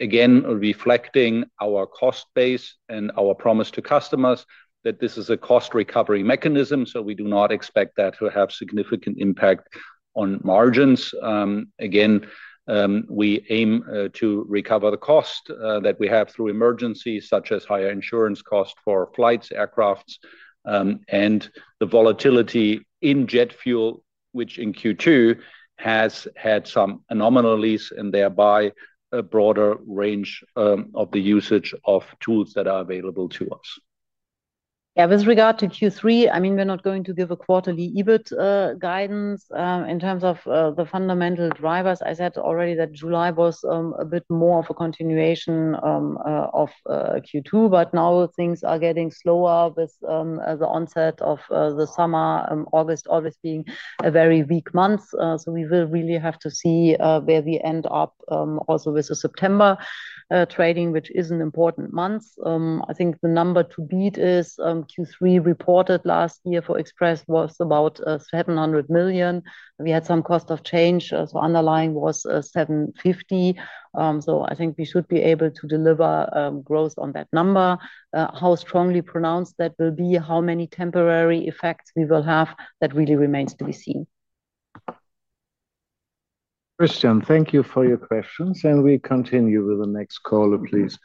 Again, reflecting our cost base and our promise to customers that this is a cost recovery mechanism, so we do not expect that to have significant impact on margins. Again, we aim to recover the cost that we have through emergencies such as higher insurance cost for flights, aircrafts, and the volatility in jet fuel, which in Q2 has had some anomalies and thereby a broader range of the usage of tools that are available to us. Yeah. With regard to Q3, we are not going to give a quarterly EBIT guidance. In terms of the fundamental drivers, I said already that July was a bit more of a continuation of Q2, but now things are getting slower with the onset of the summer. August always being a very weak month. We will really have to see where we end up, also with the September trading, which is an important month. I think the number to beat is Q3 reported last year for Express was about 700 million. We had some cost of change, so underlying was 750. I think we should be able to deliver growth on that number. How strongly pronounced that will be, how many temporary effects we will have, that really remains to be seen. Cristian, thank you for your questions and we continue with the next caller, please.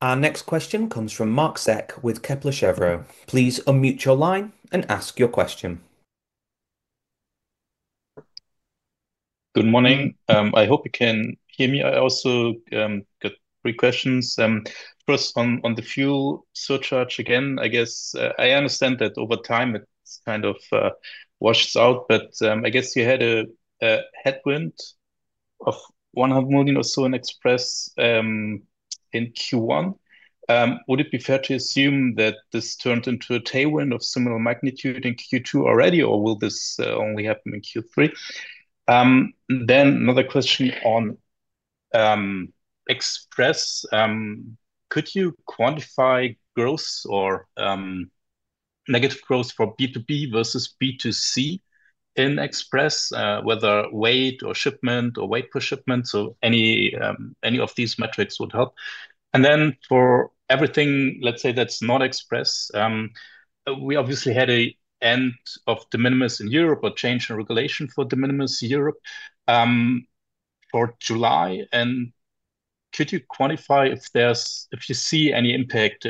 Our next question comes from Marc Zeck with Kepler Cheuvreux. Please unmute your line and ask your question. Good morning. I hope you can hear me. I also got three questions. First on the fuel surcharge. I guess I understand that over time it kind of washes out. I guess you had a headwind Of 100 million or so in Express in Q1. Would it be fair to assume that this turned into a tailwind of similar magnitude in Q2 already or will this only happen in Q3? Another question on Express. Could you quantify growth or negative growth for B2B versus B2C in Express? Whether weight or shipment or weight per shipment. Any of these metrics would help. For everything, let's say, that's not Express. We obviously had an end of de minimis in Europe or change in regulation for de minimis Europe for July. Could you quantify if you see any impact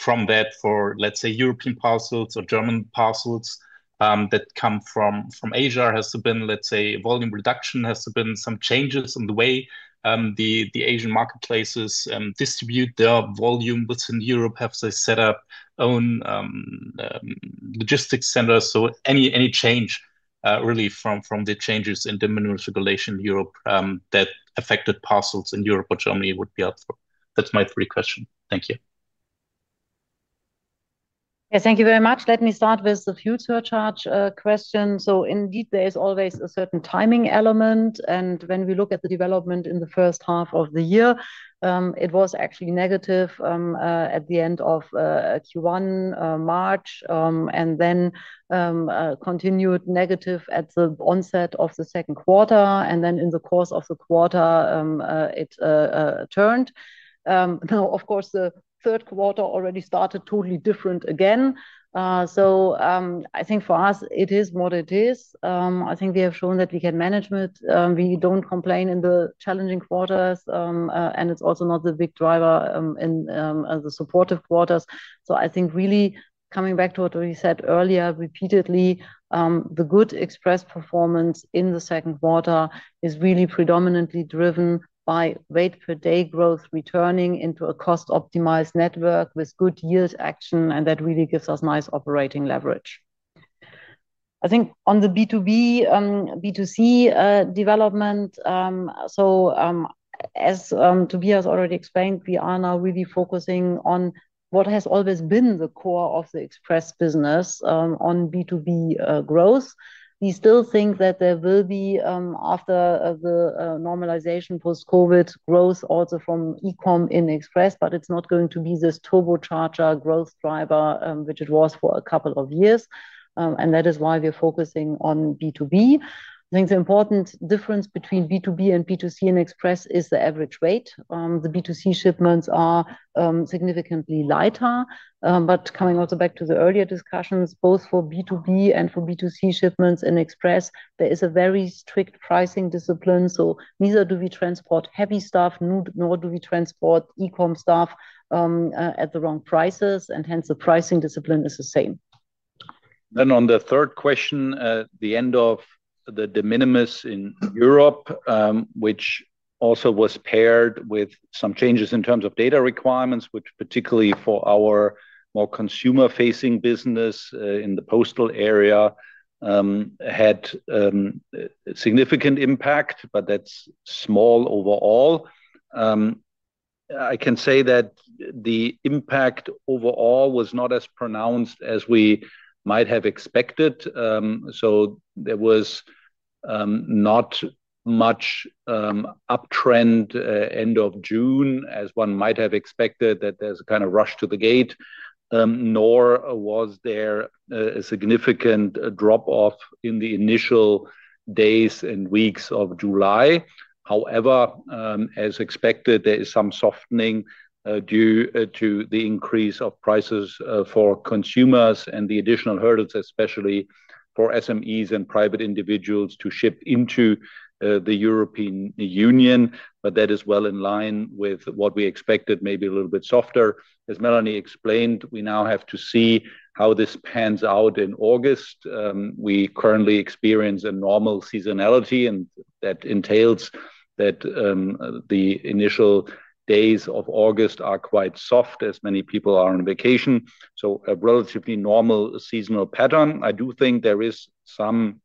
from that for, let's say, European parcels or German parcels that come from Asia? Has there been, let's say, volume reduction? Has there been some changes in the way the Asian marketplaces distribute their volume within Europe? Have they set up own logistics centers? Any change really from the changes in de minimis regulation Europe that affected parcels in Europe or Germany would be helpful. That's my three question. Thank you. Thank you very much. Let me start with the future charge question. Indeed, there is always a certain timing element. When we look at the development in the first half of the year, it was actually negative at the end of Q1, March. Continued negative at the onset of the second quarter. In the course of the quarter, it turned. Of course, the third quarter already started totally different again. I think for us it is what it is. I think we have shown that we can management. We don't complain in the challenging quarters. It's also not the big driver in the supportive quarters. I think really coming back to what we said earlier repeatedly, the good Express performance in the second quarter is really predominantly driven by weight per day growth returning into a cost-optimized network with good yield action, and that really gives us nice operating leverage. I think on the B2B, B2C development. As Tobias already explained, we are now really focusing on what has always been the core of the Express business, on B2B growth. We still think that there will be after the normalization post-COVID growth also from e-com in Express, but it's not going to be this turbocharger growth driver, which it was for a couple of years. That is why we are focusing on B2B. I think the important difference between B2B and B2C and Express is the average weight. The B2C shipments are significantly lighter. Coming also back to the earlier discussions, both for B2B and for B2C shipments in Express, there is a very strict pricing discipline. Neither do we transport heavy stuff, nor do we transport e-com stuff at the wrong prices, hence the pricing discipline is the same. On the third question, the end of the de minimis in Europe, which also was paired with some changes in terms of data requirements, which particularly for our more consumer-facing business in the postal area, had significant impact. That's small overall. I can say that the impact overall was not as pronounced as we might have expected. There was not much uptrend end of June as one might have expected that there's a kind of rush to the gate. Nor was there a significant drop off in the initial days and weeks of July. However, as expected, there is some softening due to the increase of prices for consumers and the additional hurdles, especially for SMEs and private individuals to ship into the European Union. That is well in line with what we expected, maybe a little bit softer. As Melanie explained, we now have to see how this pans out in August. We currently experience a normal seasonality, and that entails that the initial days of August are quite soft, as many people are on vacation, so a relatively normal seasonal pattern. I do think there is some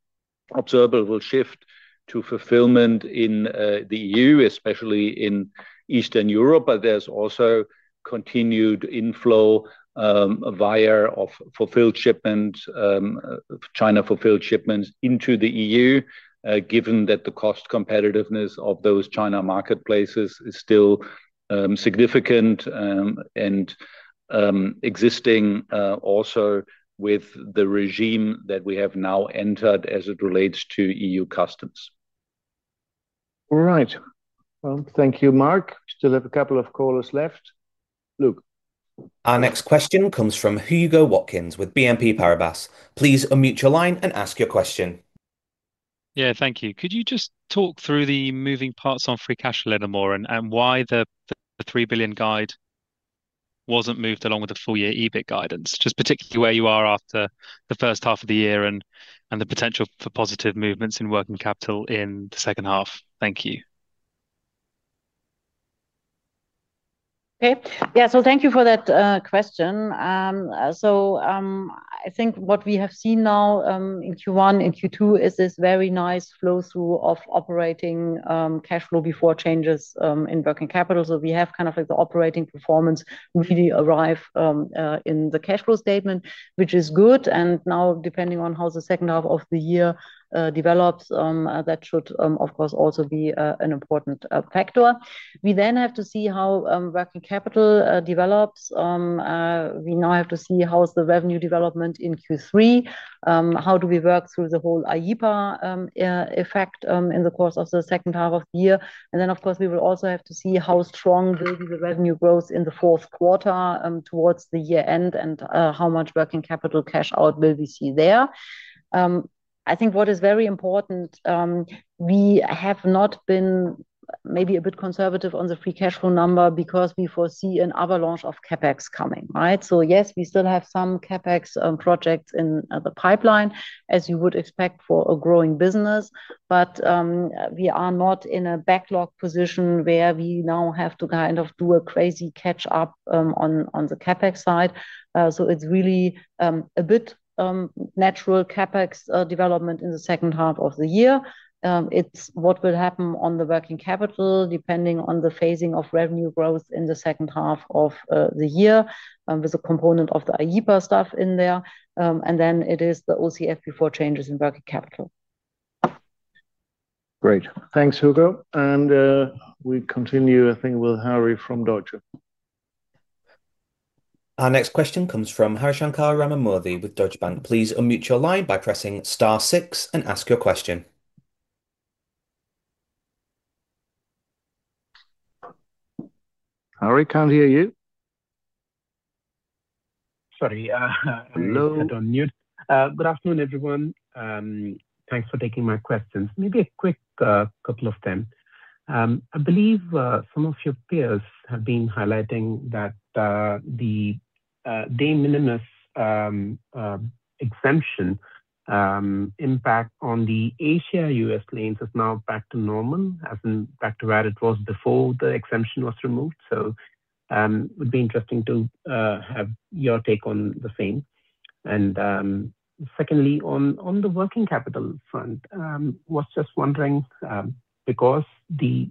observable shift to fulfillment in the EU, especially in Eastern Europe. There's also continued inflow via fulfilled shipment, China fulfilled shipments into the EU. Given that the cost competitiveness of those China marketplaces is still significant and existing also with the regime that we have now entered as it relates to EU customs. All right. Well, thank you Marc. We still have a couple of callers left. Luke. Our next question comes from Hugo Watkins with BNP Paribas. Please unmute your line and ask your question. Yeah, thank you. Could you just talk through the moving parts on free cash a little more and why the 3 billion guide wasn't moved along with the full year EBIT guidance? Just particularly where you are after the first half of the year and the potential for positive movements in working capital in the second half. Thank you. Okay. Yeah. Thank you for that question. I think what we have seen now in Q1 and Q2 is this very nice flow through of operating cash flow before changes in working capital. We have the operating performance really arrive in the cash flow statement, which is good. Now depending on how the second half of the year develops, that should of course also be an important factor. We then have to see how working capital develops. We now have to see how is the revenue development in Q3, how do we work through the whole IEEPA effect in the course of the second half of the year. Then, of course, we will also have to see how strong will be the revenue growth in the fourth quarter towards the year-end, and how much working capital cash out will we see there. I think what is very important, we have not been maybe a bit conservative on the free cash flow number because we foresee an avalanche of CapEx coming. Right? Yes, we still have some CapEx projects in the pipeline, as you would expect for a growing business. We are not in a backlog position where we now have to do a crazy catch up on the CapEx side. It's really a bit natural CapEx development in the second half of the year. It's what will happen on the working capital, depending on the phasing of revenue growth in the second half of the year, with a component of the IEEPA stuff in there. It is the OCF before changes in working capital. Great. Thanks, Hugo. We continue, I think, with Hari from Deutsche. Our next question comes from Harishankar Ramamoorthy with Deutsche Bank. Please unmute your line by pressing star six and ask your question. Hari, can't hear you. Sorry. Hello? I was put on mute. Good afternoon, everyone. Thanks for taking my questions. Maybe a quick couple of them. I believe some of your peers have been highlighting that the de minimis exemption impact on the Asia U.S. lanes is now back to normal, as in back to where it was before the exemption was removed. It would be interesting to have your take on the same. Secondly, on the working capital front, was just wondering, because the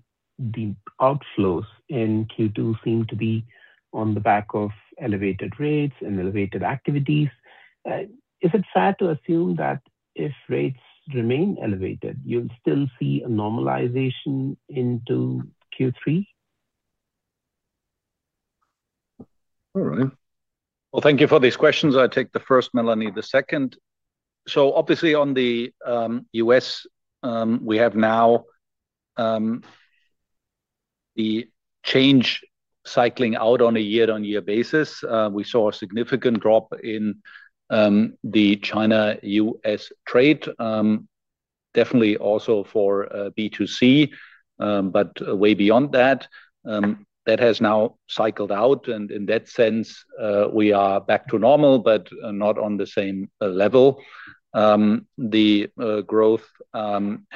outflows in Q2 seem to be on the back of elevated rates and elevated activities. Is it fair to assume that if rates remain elevated, you'll still see a normalization into Q3? [inaudible] Well, thank you for these questions. I'll take the first, Melanie, the second. Obviously on the U.S. we have now the change cycling out on a year-on-year basis. We saw a significant drop in the China-U.S. trade. Definitely also for B2C. Way beyond that has now cycled out, and in that sense, we are back to normal, but not on the same level. The growth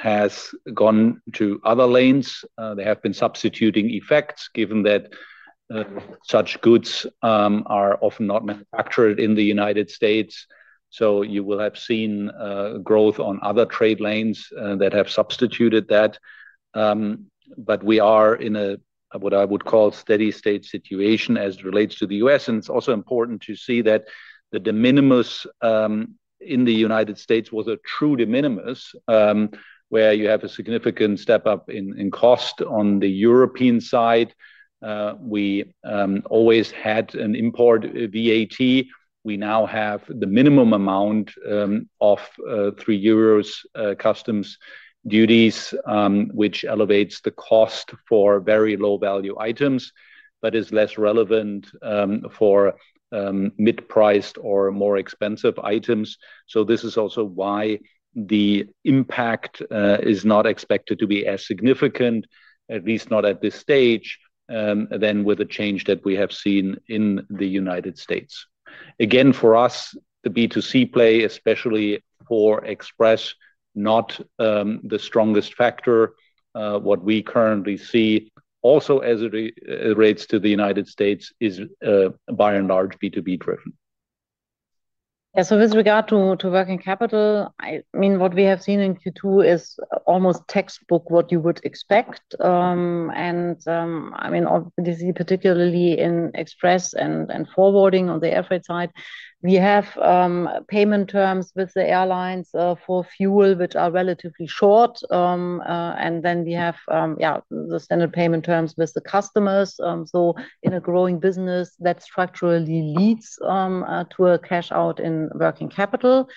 has gone to other lanes. There have been substituting effects given that such goods are often not manufactured in the United States. You will have seen growth on other trade lanes that have substituted that. We are in what I would call steady state situation as it relates to the U.S. It's also important to see that the de minimis in the United States was a true de minimis, where you have a significant step up in cost on the European side. We always had an import VAT. We now have the minimum amount of 3 euros customs duties, which elevates the cost for very low value items, but is less relevant for mid-priced or more expensive items. This is also why the impact is not expected to be as significant, at least not at this stage, than with the change that we have seen in the United States. Again, for us, the B2C play, especially for express, not the strongest factor. What we currently see also as it relates to the United States is by and large B2B driven. With regard to working capital, what we have seen in Q2 is almost textbook what you would expect. Obviously particularly in Express and Forwarding on the airfreight side, we have payment terms with the airlines for fuel, which are relatively short. Then we have the standard payment terms with the customers. In a growing business, that structurally leads to a cash out in working capital.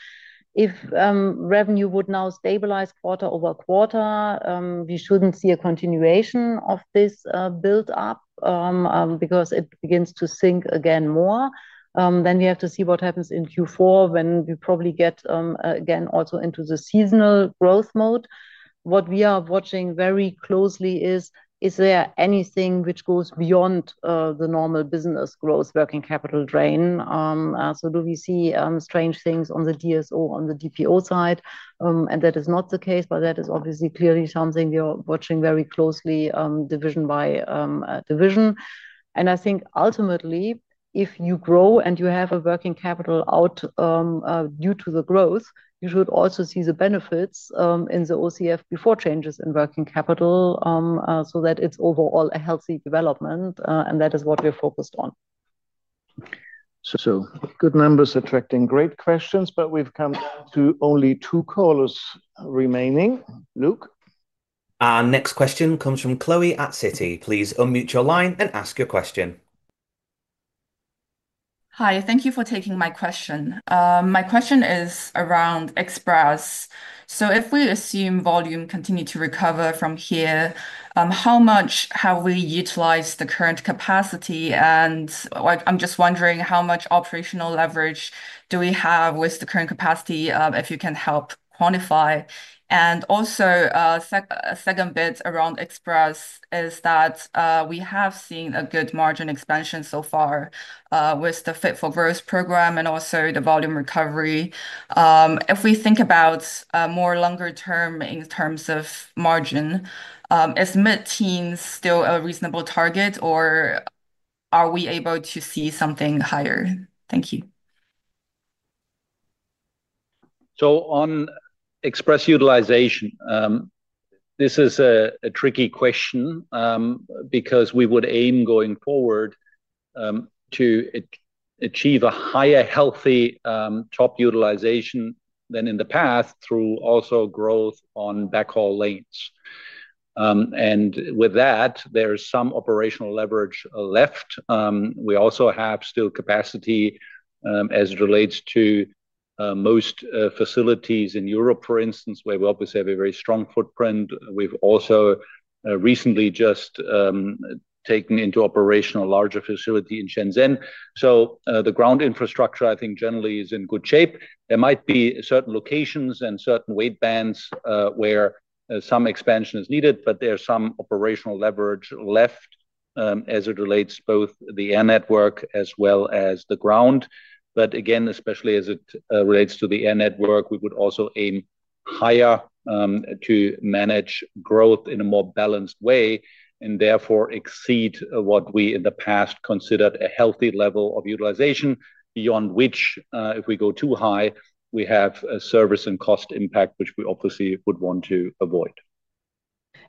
If revenue would now stabilize quarter-over-quarter, we shouldn't see a continuation of this build up, because it begins to sink again more. We have to see what happens in Q4 when we probably get again also into the seasonal growth mode. What we are watching very closely is there anything which goes beyond the normal business growth working capital drain? Do we see strange things on the DSO, on the DPO side? That is not the case, but that is obviously clearly something we are watching very closely division by division. I think ultimately if you grow and you have a working capital out due to the growth, you should also see the benefits in the OCF before changes in working capital, so that it's overall a healthy development, and that is what we are focused on. Good numbers attracting great questions, but we've come down to only two callers remaining. Luke? Our next question comes from Chloe at Citi. Please unmute your line and ask your question. Hi, thank thank you for taking my question. My question is around Express. If we assume volume continue to recover from here, how much have we utilized the current capacity? I'm just wondering how much operational leverage do we have with the current capacity, if you can help quantify. Also, second bit around Express is that, we have seen a good margin expansion so far with the Fit for Growth program and also the volume recovery. If we think about more longer term in terms of margin, is mid-teens still a reasonable target, or are we able to see something higher? Thank you. On Express utilization, this is a tricky question, because we would aim going forward to achieve a higher healthy top utilization than in the past through also growth on backhaul lanes. With that, there is some operational leverage left. We also have still capacity, as it relates to most facilities in Europe, for instance, where we obviously have a very strong footprint. We've also recently just taken into operational larger facility in Shenzhen. The ground infrastructure, I think, generally is in good shape. There might be certain locations and certain weight bands where some expansion is needed, but there's some operational leverage left as it relates both the air network as well as the ground. Again, especially as it relates to the air network, we would also aim higher to manage growth in a more balanced way and therefore exceed what we in the past considered a healthy level of utilization. Beyond which, if we go too high, we have a service and cost impact, which we obviously would want to avoid.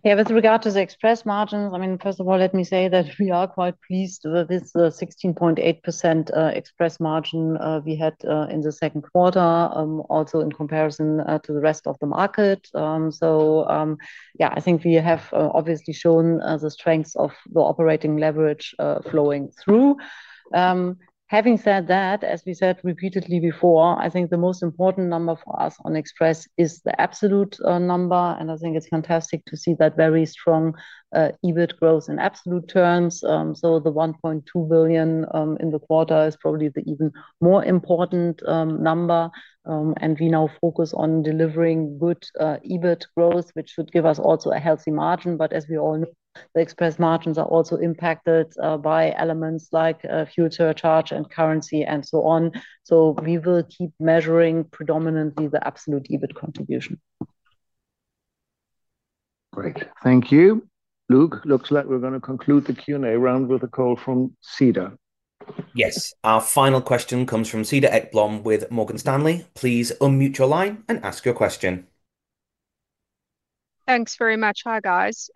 Yeah. With regard to the Express margins, first of all, let me say that we are quite pleased with the 16.8% Express margin we had in the second quarter, also in comparison to the rest of the market. Yeah, I think we have obviously shown the strengths of the operating leverage flowing through. Having said that, as we said repeatedly before, I think the most important number for us on Express is the absolute number, and I think it's fantastic to see that very strong EBIT growth in absolute terms. The 1.2 billion in the quarter is probably the even more important number. We now focus on delivering good EBIT growth, which should give us also a healthy margin. As we all know, the Express margins are also impacted by elements like fuel surcharge and currency and so on. We will keep measuring predominantly the absolute EBIT contribution. Great. Thank you. Luke, looks like we're going to conclude the Q&A round with a call from Cedar. Yes. Our final question comes from Cedar Ekblom with Morgan Stanley. Please unmute your line and ask your question. Thanks very much. Hi, guys.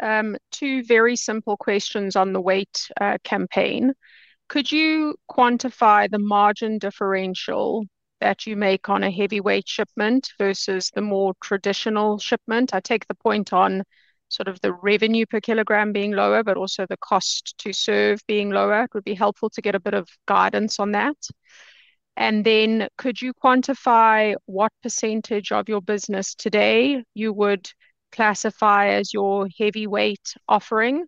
Two very simple questions on the weight campaign. Could you quantify the margin differential that you make on a heavyweight shipment versus the more traditional shipment? I take the point on sort of the revenue per kilogram being lower, but also the cost to serve being lower. It would be helpful to get a bit of guidance on that. Then could you quantify what percentage of your business today you would classify as your heavyweight offering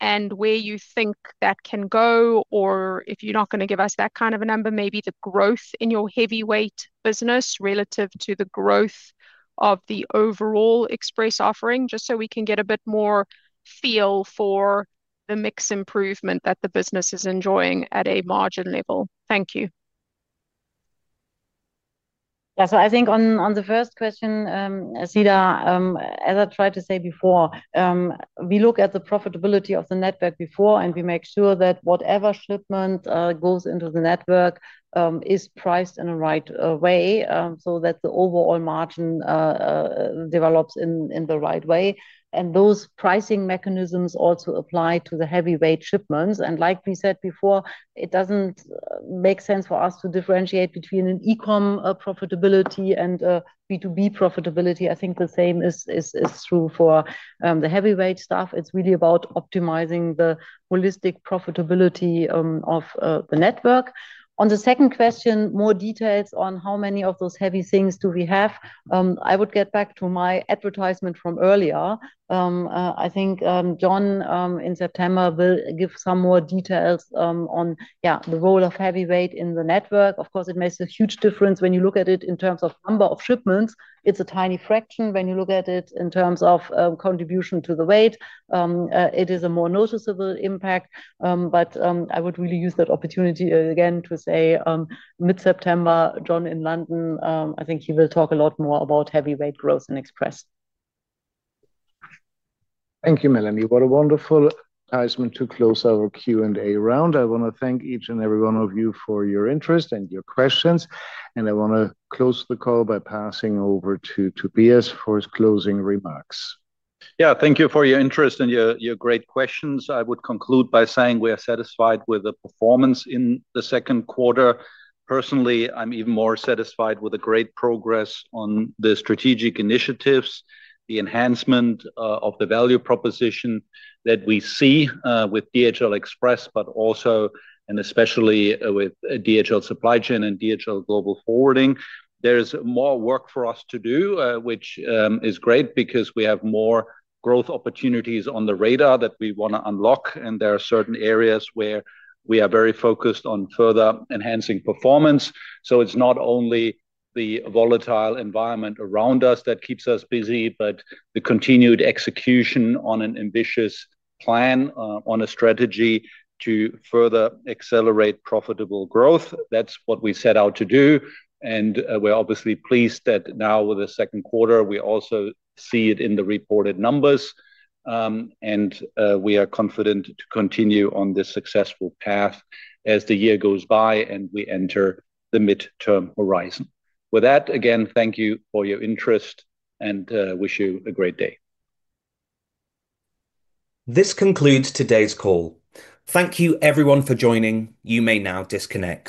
and where you think that can go? Or if you're not going to give us that kind of a number, maybe the growth in your heavyweight business relative to the growth of the overall Express offering, just so we can get a bit more feel for the mix improvement that the business is enjoying at a margin level. Thank you. I think on the first question, Cedar, as I tried to say before, we look at the profitability of the network before, and we make sure that whatever shipment goes into the network is priced in a right way, so that the overall margin develops in the right way. Those pricing mechanisms also apply to the heavyweight shipments. Like we said before, it doesn't make sense for us to differentiate between an eCom profitability and a B2B profitability. I think the same is true for the heavyweight stuff. It's really about optimizing the holistic profitability of the network. On the second question, more details on how many of those heavy things do we have? I would get back to my advertisement from earlier. I think John, in September, will give some more details on, yeah, the role of heavyweight in the network. Of course, it makes a huge difference when you look at it in terms of number of shipments. It's a tiny fraction when you look at it in terms of contribution to the weight. It is a more noticeable impact. I would really use that opportunity again to say, mid-September, John in London, I think he will talk a lot more about heavyweight growth in Express. Thank you, Melanie. What a wonderful advertisement to close our Q&A round. I want to thank each and every one of you for your interest and your questions, and I want to close the call by passing over to Tobias for his closing remarks. Thank you for your interest and your great questions. I would conclude by saying we are satisfied with the performance in the second quarter. Personally, I'm even more satisfied with the great progress on the strategic initiatives, the enhancement of the value proposition that we see with DHL Express, but also and especially with DHL Supply Chain and DHL Global Forwarding. There's more work for us to do, which is great because we have more growth opportunities on the radar that we want to unlock, and there are certain areas where we are very focused on further enhancing performance. It's not only the volatile environment around us that keeps us busy, but the continued execution on an ambitious plan on a strategy to further accelerate profitable growth. That's what we set out to do, and we're obviously pleased that now with the second quarter, we also see it in the reported numbers. We are confident to continue on this successful path as the year goes by and we enter the midterm horizon. With that, again, thank you for your interest and wish you a great day. This concludes today's call. Thank you everyone for joining. You may now disconnect.